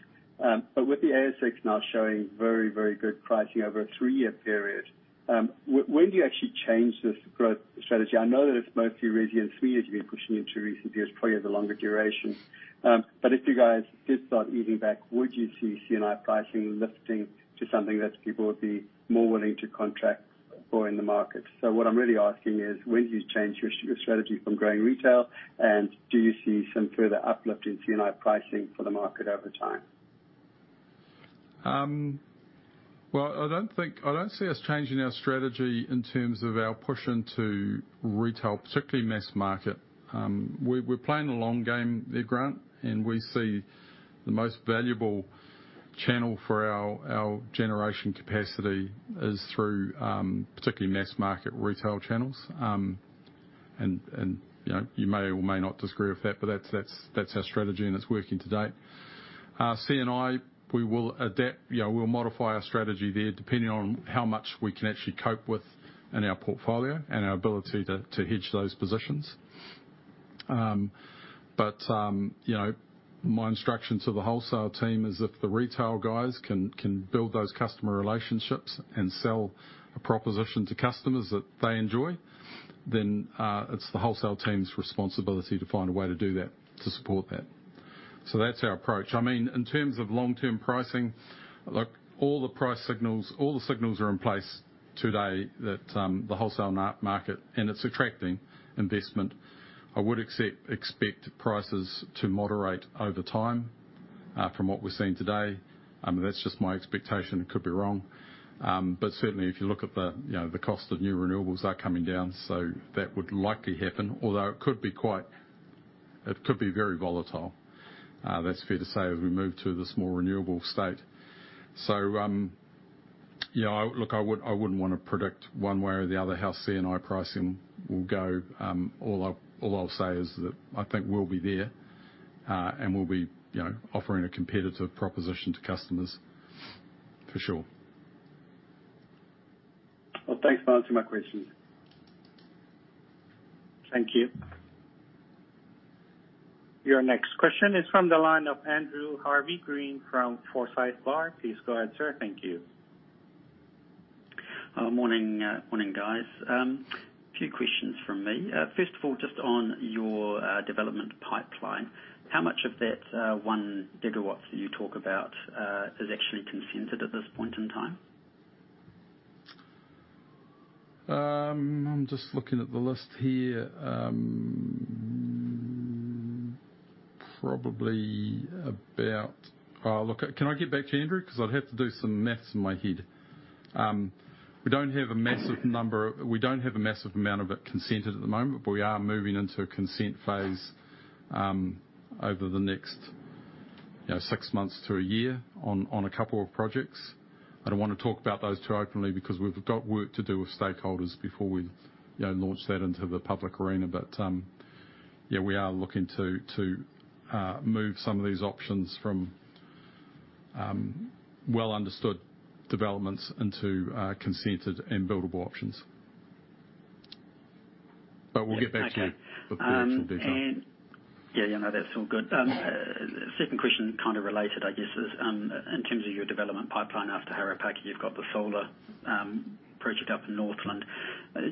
With the ASX now showing very, very good pricing over a three-year period, when do you actually change this growth strategy? I know that it's mostly really in three years you've been pushing into recent years, probably the longer duration. If you guys did start easing back, would you see C&I pricing lifting to something that people would be more willing to contract for in the market? What I'm really asking is, when do you change your strategy from growing retail, and do you see some further uplift in C&I pricing for the market over time? I don't see us changing our strategy in terms of our push into retail, particularly mass market. We're playing the long game there, Grant, and we see the most valuable channel for our generation capacity is through particularly mass-market retail channels. You know, you may or may not disagree with that, but that's our strategy and it's working to date. C&I, we will adapt. You know, we'll modify our strategy there, depending on how much we can actually cope with in our portfolio and our ability to hedge those positions. You know, my instruction to the wholesale team is if the retail guys can build those customer relationships and sell a proposition to customers that they enjoy, then it's the wholesale team's responsibility to find a way to do that, to support that. That's our approach. I mean, in terms of long-term pricing, look, all the price signals, all the signals are in place today that the wholesale market, and it's attracting investment. I would expect prices to moderate over time from what we're seeing today. That's just my expectation. It could be wrong. Certainly, if you look at the, the cost of new renewables are coming down, so that would likely happen, although it could be quite it could be very volatile, that's fair to say, as we move to this more renewable state. You know, look, I wouldn't wanna predict one way or the other how C&I pricing will go. All I'll say is that I think we'll be there, and we'll be, you know, offering a competitive proposition to customers for sure. Well, thanks for answering my questions. Thank you. Your next question is from the line of Andrew Harvey-Green from Forsyth Barr. Please go ahead, sir. Thank you. Morning. Morning, guys. A few questions. From me. First of all, just on your development pipeline, how much of that 1 gigawatts you talk about is actually consented at this point in time? I'm just looking at the list here. Look, can I get back to Andrew? Because I'd have to do some math in my head. We don't have a massive amount of it consented at the moment, but we are moving into a consent phase over the next, six months to a year on a couple of projects. I don't wanna talk about those too openly because we've got work to do with stakeholders before we, launch that into the public arena. Yeah, we are looking to move some of these options from well understood developments into consented and buildable options. We'll get back to you with the actual detail. Okay. Yeah, that's all good. Second question, kind of related, I guess, is, in terms of your development pipeline after Harapaki, you've got the solar project up in Northland.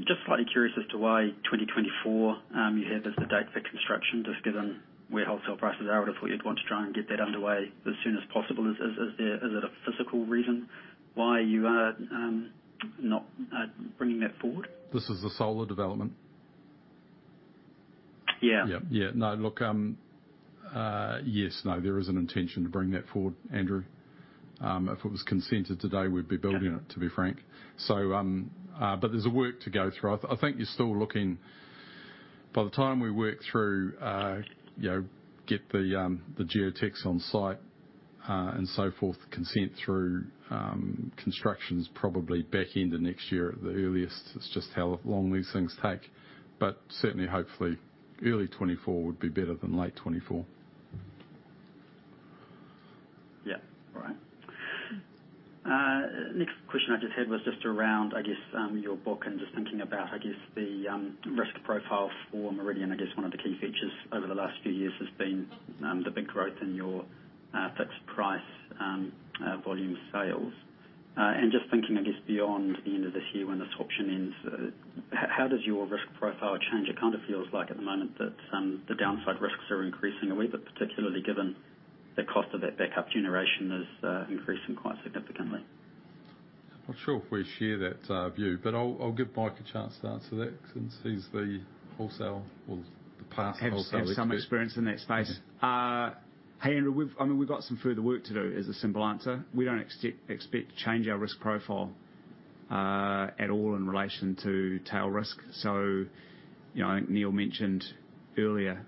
Just slightly curious as to why 2024 you have as the date for construction, just given where wholesale prices are. I'd have thought you'd want to try and get that underway as soon as possible. Is there a physical reason why you are not bringing that forward? This is the solar development? Yeah. Yeah. No, look, yes. No, there is an intention to bring that forward, Andrew. If it was consented today, we'd be building it. Okay. To be frank. There's work to go through. I think you're still looking. By the time we work through, get the geotechs on site, and so forth, consent through, construction's probably back end of next year at the earliest. It's just how long these things take. Certainly, hopefully early 2024 would be better than late 2024. Yeah. All right. Next question I just had was just around, I guess, your book and just thinking about, I guess, the risk profile for Meridian. I guess one of the key features over the last few years has been the big growth in your fixed price volume sales. Just thinking, I guess, beyond the end of this year when the swap option ends, how does your risk profile change? It kind of feels like at the moment that the downside risks are increasing a wee bit, particularly given the cost of that backup generation is increasing quite significantly. Not sure if we share that view, but I'll give Mike a chance to answer that since he's the wholesale or the past wholesale expert. Have some experience in that space. Yeah. Hey, Andrew, I mean, we've got some further work to do, is the simple answer. We don't expect to change our risk profile at all in relation to tail risk. You know, I think Neil mentioned earlier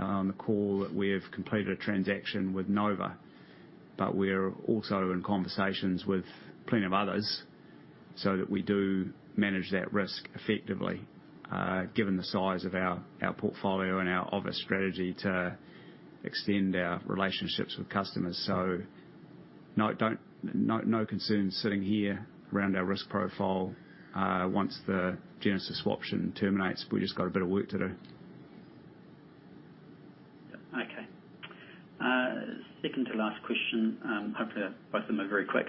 on the call that we have completed a transaction with Nova, but we're also in conversations with plenty of others so that we do manage that risk effectively, given the size of our portfolio and our obvious strategy to extend our relationships with customers. No, no concerns sitting here around our risk profile. Once the Genesis swap option terminates, we've just got a bit of work to do. Okay. Second to last question, hopefully both of them are very quick.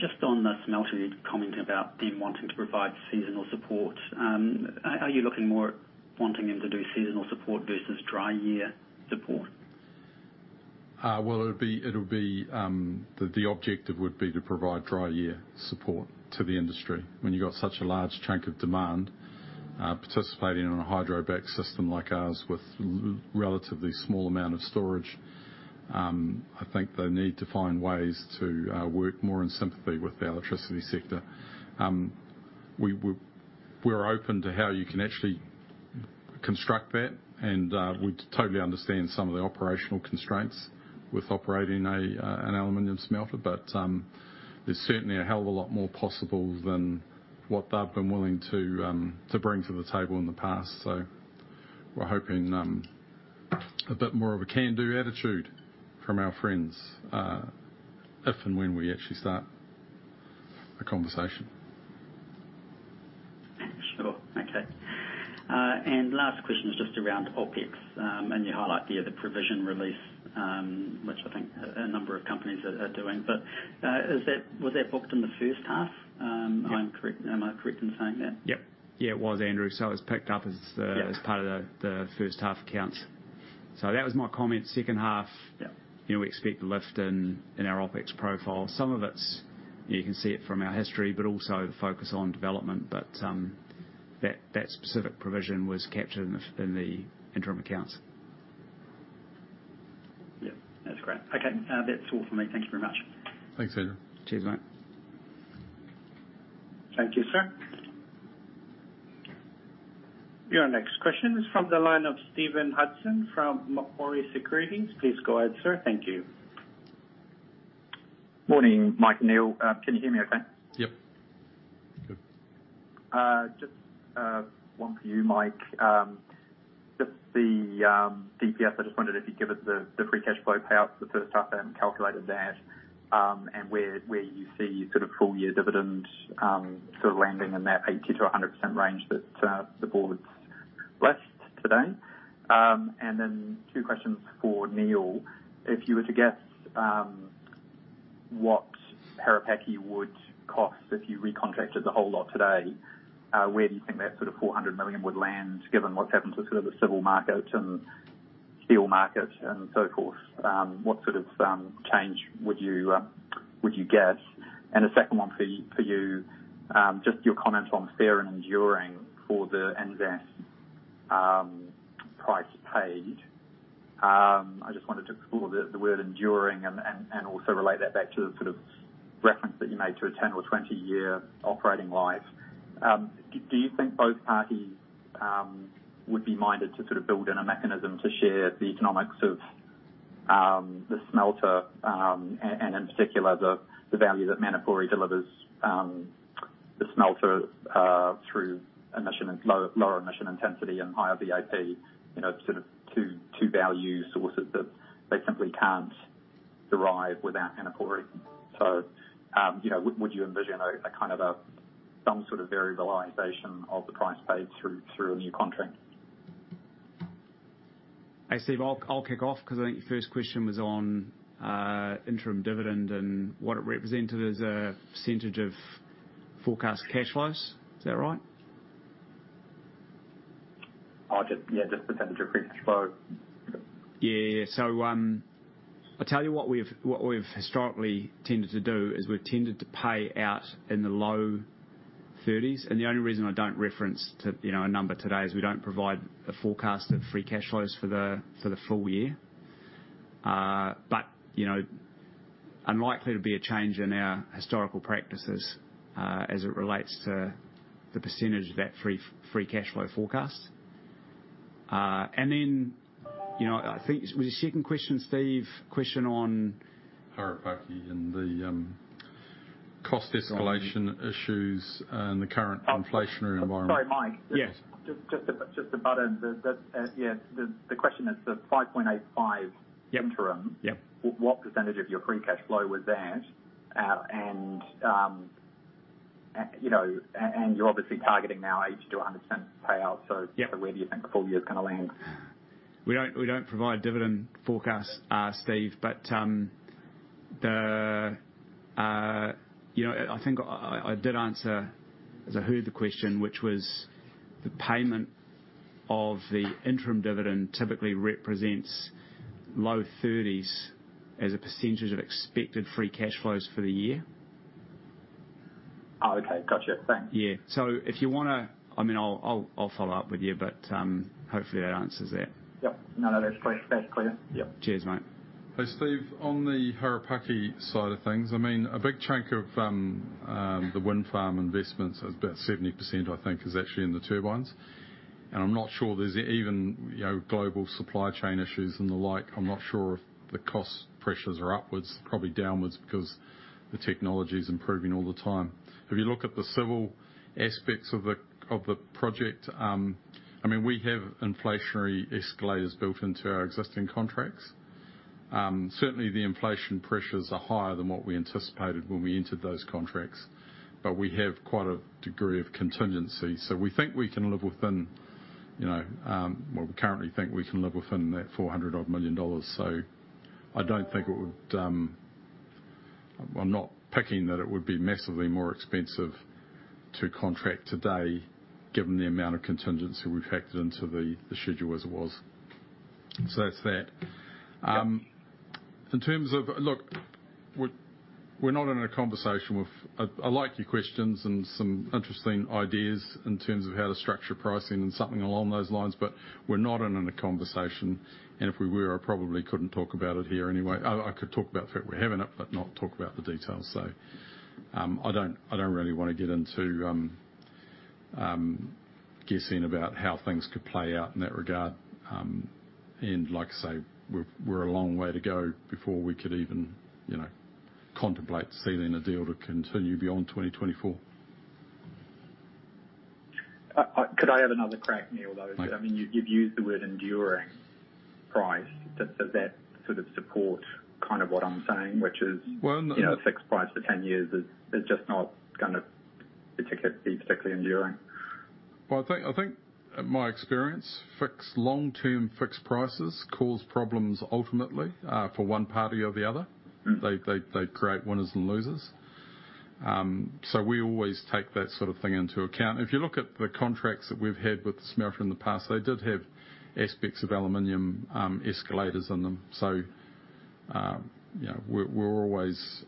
Just on the smelter comment about them wanting to provide seasonal support, are you looking more at wanting them to do seasonal support versus dry year support? Well, the objective would be to provide dry year support to the industry. When you've got such a large chunk of demand participating in a hydro-backed system like ours with relatively small amount of storage, I think they need to find ways to work more in sympathy with the electricity sector. We're open to how you can actually construct that, and we totally understand some of the operational constraints with operating an aluminum smelter, but there's certainly a hell of a lot more possible than what they've been willing to bring to the table in the past. We're hoping a bit more of a can-do attitude from our friends if and when we actually start a conversation. Sure. Okay. Last question is just around OpEx, and you highlight there the provision release, which I think a number of companies are doing. Was that booked in the first half? Yeah. Am I correct in saying that? Yep. Yeah, it was Andrew, so it was picked up as the- Yeah. as part of the first half accounts. That was my comment. Second half Yeah. You know, we expect a lift in our OpEx profile. Some of it's, you can see it from our history, but also the focus on development. That specific provision was captured in the interim accounts. Yep. That's great. Okay. That's all for me. Thank you very much. Thanks, Andrew. Cheers, mate. Thank you, sir. Your next question is from the line of Stephen Hudson from Macquarie Group. Please go ahead, sir. Thank you. Morning, Mike and Neal. Can you hear me okay? Yep. Good. Just one for you, Mike. Just the DPS. I just wondered if you'd give us the free cash flow payout for the first half. I haven't calculated that. Where you see sort of full year dividend sort of landing in that 80%-100% range that the board's target. Then two questions for Neal. If you were to guess, what Harapaki would cost if you recontracted the whole lot today, where do you think that sort of 400 million would land, given what's happened to sort of the civil market and steel market and so forth? What sort of change would you guess? A second one for you, just your comment on fair and enduring for the NZAS price paid. I just wanted to explore the word enduring and also relate that back to the sort of reference that you made to a 10- or 20-year operating life. Do you think both parties would be minded to sort of build in a mechanism to share the economics of the smelter and in particular the value that Manapōuri delivers to the smelter through emission and lower emission intensity and higher LME, sort of two value sources that they simply can't derive without Manapōuri. Would you envision a kind of some sort of variabilization of the price paid through a new contract? Hey, Stephen, I'll kick off 'cause I think your first question was on interim dividend and what it represented as a percentage of forecast cash flows. Is that right? Just percentage of free cash flow. Yeah, I'll tell you what we've historically tended to do is we've tended to pay out in the low thirties. The only reason I don't refer to, a number today is we don't provide a forecast of free cash flows for the full year. But unlikely to be a change in our historical practices as it relates to the percentage of that free cash flow forecast. Then, I think. Was your second question, Stephen, question on- Harapaki and the cost escalation issues and the current inflationary environment. Sorry, Mike. Yes. Just to butt in. Yeah, the question is the 5.85 interim. Yep. What percentage of your free cash flow was that? You know, you're obviously targeting now 80%-100% payout. Yeah. Where do you think the full year's gonna land? We don't provide dividend forecasts, Stephen, but I think I did answer as I heard the question, which was the payment of the interim dividend typically represents low 30s% of expected free cash flows for the year. Oh, okay. Gotcha. Thanks. Yeah. If you wanna, I mean, I'll follow up with you, but hopefully that answers that. Yep. No, no, that's clear. That's clear. Yep. Cheers, mate. Hey, Stephen, on the Harapaki side of things, I mean, a big chunk of the wind farm investments, about 70% I think is actually in the turbines. I'm not sure there's even, global supply chain issues and the like. I'm not sure if the cost pressures are upwards, probably downwards, because the technology's improving all the time. If you look at the civil aspects of the project, I mean, we have inflationary escalators built into our existing contracts. Certainly, the inflation pressures are higher than what we anticipated when we entered those contracts, but we have quite a degree of contingency. We think we can live within, well, we currently think we can live within that 400-odd million dollars. I don't think it would. I'm not picking that it would be massively more expensive to contract today given the amount of contingency we've factored into the schedule as it was. That's that. Yep. In terms of, look, we're not in a conversation with. I like your questions and some interesting ideas in terms of how to structure pricing and something along those lines. We're not in a conversation, and if we were, I probably couldn't talk about it here anyway. I could talk about the fact we're having it but not talk about the details. I don't really wanna get into guessing about how things could play out in that regard. Like I say, we're a long way to go before we could even, contemplate sealing a deal to continue beyond 2024. Could I have another crack, Neal, though? Mike. I mean, you've used the word enduring price. Does that sort of support kind of what I'm saying, which is- Well, You know, a fixed price for 10 years is just not gonna particularly be particularly enduring. Well, I think in my experience, fixed long-term prices cause problems ultimately, for one party or the other. Mm. They create winners and losers. We always take that sort of thing into account. If you look at the contracts that we've had with the smelter in the past, they did have aspects of aluminum escalators in them. You know, we're always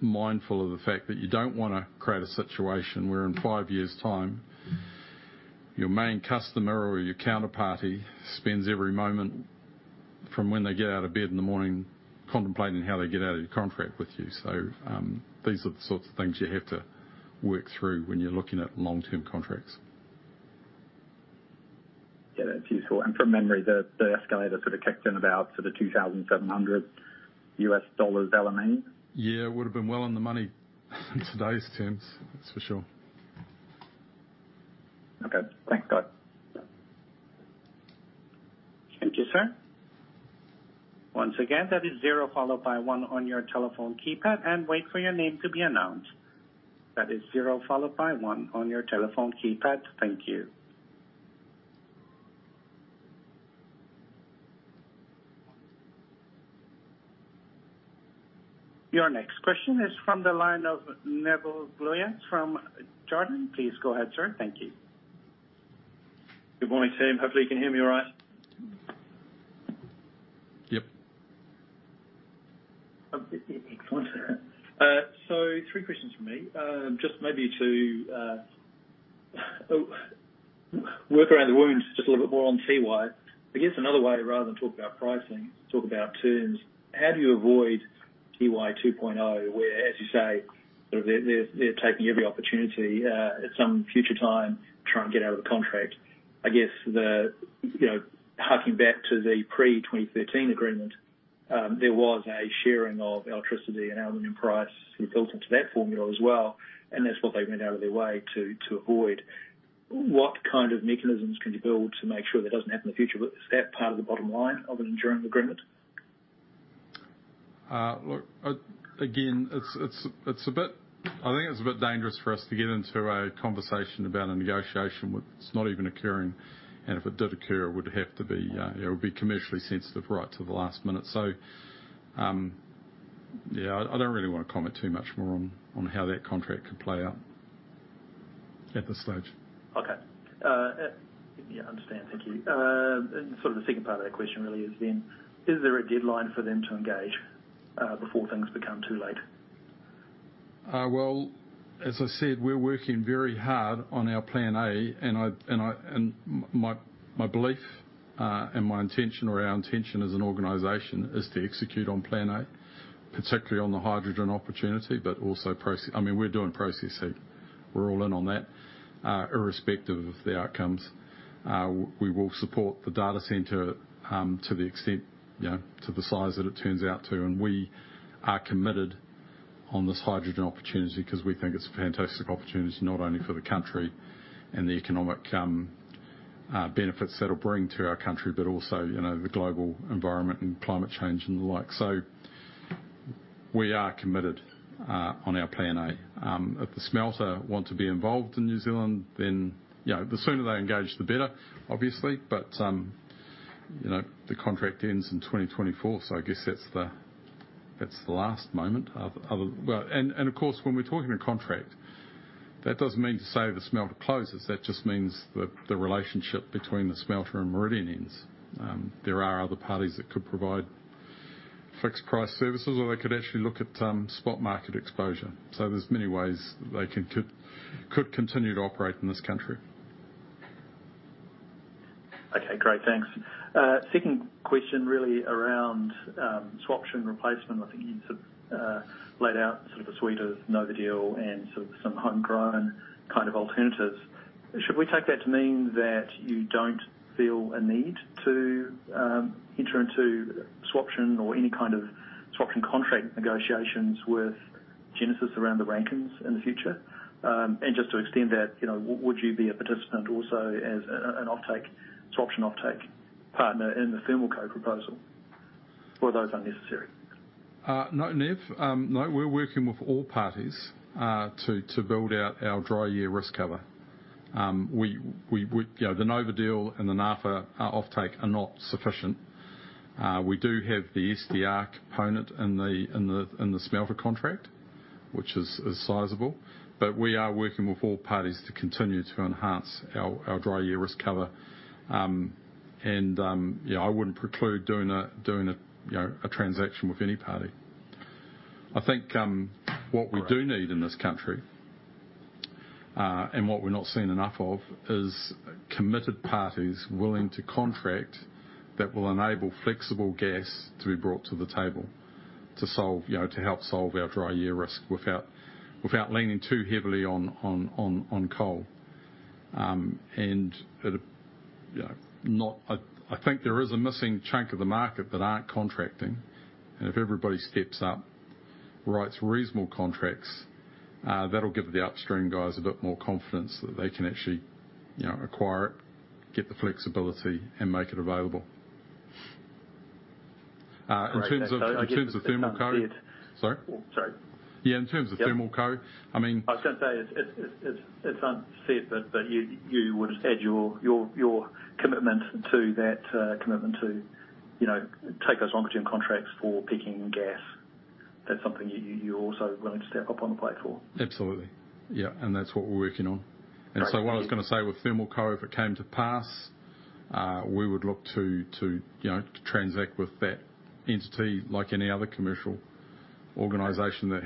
mindful of the fact that you don't wanna create a situation where in five years' time, your main customer or your counterparty spends every moment from when they get out of bed in the morning contemplating how they get out of your contract with you. These are the sorts of things you have to work through when you're looking at long-term contracts. Yeah, that's useful. From memory, the escalator sort of kicked in about sort of $2,700 aluminum. Yeah, it would've been well on the money in today's terms, that's for sure. Okay. Thanks. Got it. Thank you, sir. Your next question is from the line of Nevil Gluyas from Jarden. Please go ahead, sir. Thank you. Good morning, Sam. Hopefully, you can hear me all right. Yep. Excellent. So, three questions from me. Just maybe to work around the one just a little bit more on Tiwai. I guess another way, rather than talk about pricing, talk about terms. How do you avoid Tiwai 2.0, where, as you say, sort of they're taking every opportunity at some future time to try and get out of the contract? I guess, harking back to the pre-2013 agreement, there was a sharing of electricity and aluminum price built into that formula as well, and that's what they went out of their way to avoid. What kind of mechanisms can you build to make sure that doesn't happen in the future? Is that part of the bottom line of an enduring agreement? Look, again, I think it's a bit dangerous for us to get into a conversation about a negotiation which is not even occurring. If it did occur, it would have to be commercially sensitive right to the last minute. Yeah, I don't really wanna comment too much more on how that contract could play out at this stage. Okay. Yeah, I understand. Thank you. Sort of the second part of that question really is then, is there a deadline for them to engage before things become too late? Well, as I said, we're working very hard on our plan A, and my belief and my intention or our intention as an organization is to execute on plan A, particularly on the hydrogen opportunity, but also, I mean, we're doing processing. We're all in on that. Irrespective of the outcomes, we will support the data center to the extent, to the size that it turns out to. We are committed on this hydrogen opportunity because we think it's a fantastic opportunity, not only for the country and the economic benefits that'll bring to our country, but also, the global environment and climate change and the like. We are committed on our plan A. If the smelter want to be involved in New Zealand, then, the sooner they engage, the better, obviously. The contract ends in 2024, so I guess that's the last moment. Of course, when we're talking a contract, that doesn't mean to say the smelter closes. That just means the relationship between the smelter and Meridian ends. There are other parties that could provide fixed price services, or they could actually look at spot market exposure. There's many ways they could continue to operate in this country. Okay, great. Thanks. Second question really around Swaption replacement. I think you sort of laid out sort of a suite of Nova deal and sort of some homegrown kind of alternatives. Should we take that to mean that you don't feel a need to enter into Swaption or any kind of Swaption contract negotiations with Genesis around the Rankine in the future? And just to extend that, would you be a participant also as an offtake Swaption offtake partner in the ThermalCo proposal? Or are those unnecessary? No, Nev. We're working with all parties to build out our dry year risk cover. You know, the Nova deal and the NAPA offtake are not sufficient. We do have the SDR component in the smelter contract, which is sizable, but we are working with all parties to continue to enhance our dry year risk cover. Yeah, I wouldn't preclude doing a transaction with any party. I think what we do need in this country and what we're not seeing enough of is committed parties willing to contract that will enable flexible gas to be brought to the table to solve to help solve our dry year risk without leaning too heavily on coal. I think there is a missing chunk of the market that aren't contracting. If everybody steps up, writes reasonable contracts, that'll give the upstream guys a bit more confidence that they can actually, acquire it, get the flexibility and make it available. In terms of ThermalCo Sorry. Yeah, in terms of ThermalCo, I mean. I was gonna say it's unsaid, but you would add your commitment to that commitment to, take those longer-term contracts for peaking gas. That's something you're also willing to step up on the plate for. Absolutely. Yeah. That's what we're working on. Great. Thank you. What I was gonna say with ThermalCo, if it came to pass, we would look to transact with that entity like any other commercial organization that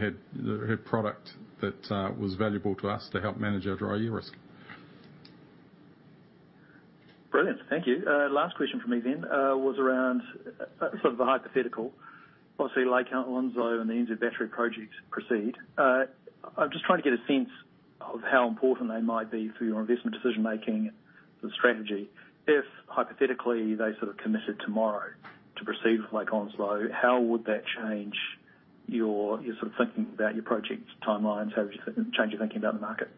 had product that was valuable to us to help manage our dry year risk. Brilliant. Thank you. Last question from me then was around sort of a hypothetical. Obviously, Lake Onslow and the NZ Battery Project proceed. I'm just trying to get a sense of how important they might be for your investment decision-making strategy. If hypothetically, they sort of committed tomorrow to proceed with Lake Onslow, how would that change your sort of thinking about your project timelines? How would you change your thinking about the market?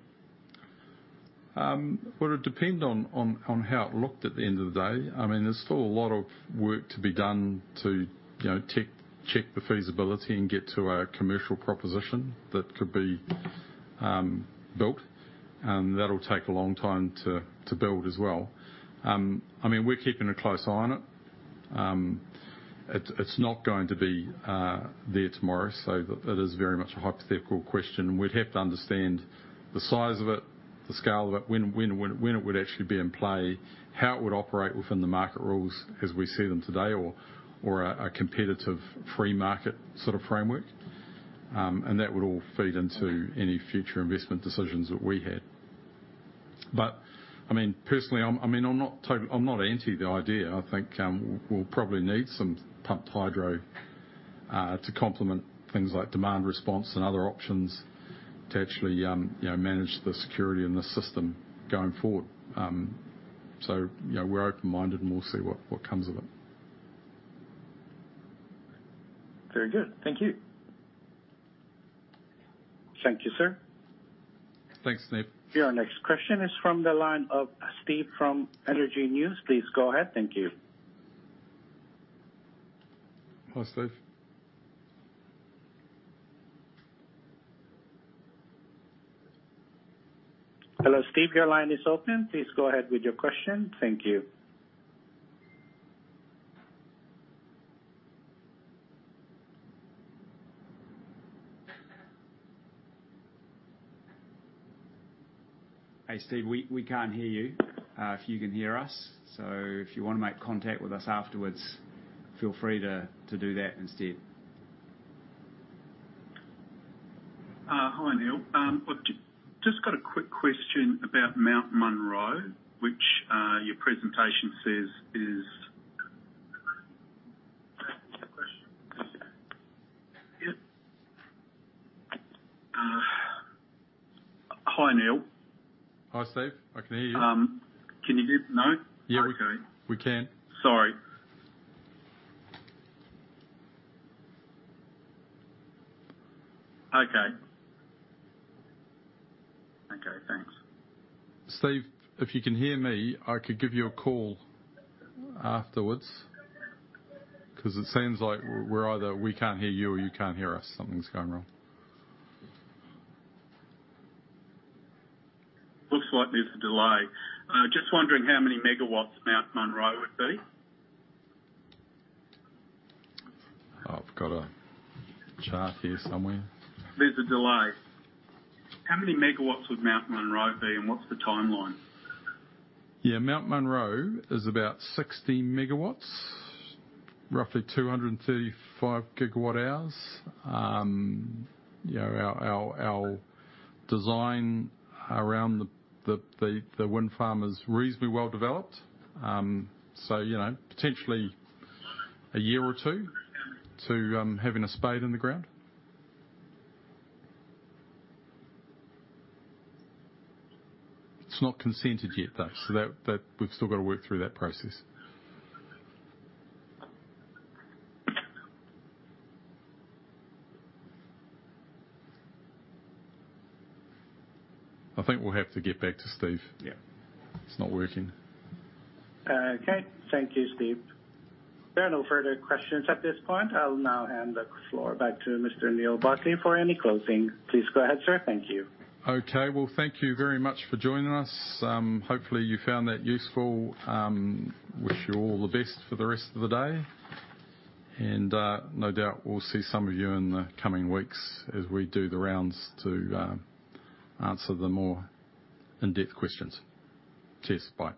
Well, it depend on how it looked at the end of the day. I mean, there's still a lot of work to be done to, check the feasibility and get to a commercial proposition that could be built, and that'll take a long time to build as well. I mean, we're keeping a close eye on it. It's not going to be there tomorrow, so that is very much a hypothetical question. We'd have to understand the size of it, the scale of it, when it would actually be in play, how it would operate within the market rules as we see them today, or a competitive free market sort of framework. That would all feed into any future investment decisions that we had. I mean, personally, I'm not anti the idea. I think we'll probably need some pumped hydro to complement things like demand response and other options to actually manage the security in the system going forward. You know, we're open-minded, and we'll see what comes of it. Very good. Thank you. Thank you, sir. Thanks, Steve. Your next question is from the line of Steve from Energy News. Please go ahead. Thank you. Hi, Stephen. Hello, Steve. Your line is open. Please go ahead with your question. Thank you. Hey, Stephen. We can't hear you, if you can hear us. If you wanna make contact with us afterwards, feel free to do that instead. Hi, Neal. Just got a quick question about Mount Munro, which your presentation says is. Hi, Steve. I can hear you. Can you hear? No? Yeah. Okay. We can. Sorry. Okay. Okay, thanks. Steve, if you can hear me, I could give you a call afterwards 'cause it seems like either we can't hear you or you can't hear us. Something's going wrong. Looks like there's a delay. Just wondering how many megawatts Mount Munro would be? I've got a chart here somewhere. There's a delay. How many megawatts would Mount Munro be, and what's the timeline? Yeah, Mount Munro is about 60 MW, roughly 235 GWh. You know, our design around the wind farm is reasonably well developed. You know, potentially a year or two to having a spade in the ground. It's not consented yet, though, so we've still got to work through that process. I think we'll have to get back to Steve. Yeah. It's not working. Okay. Thank you, Steve. There are no further questions at this point. I'll now hand the floor back to Mr. Neal Barclay for any closing. Please go ahead, sir. Thank you. Okay. Well, thank you very much for joining us. Hopefully you found that useful. Wish you all the best for the rest of the day. No doubt we'll see some of you in the coming weeks as we do the rounds to answer the more in-depth questions. Cheers. Bye.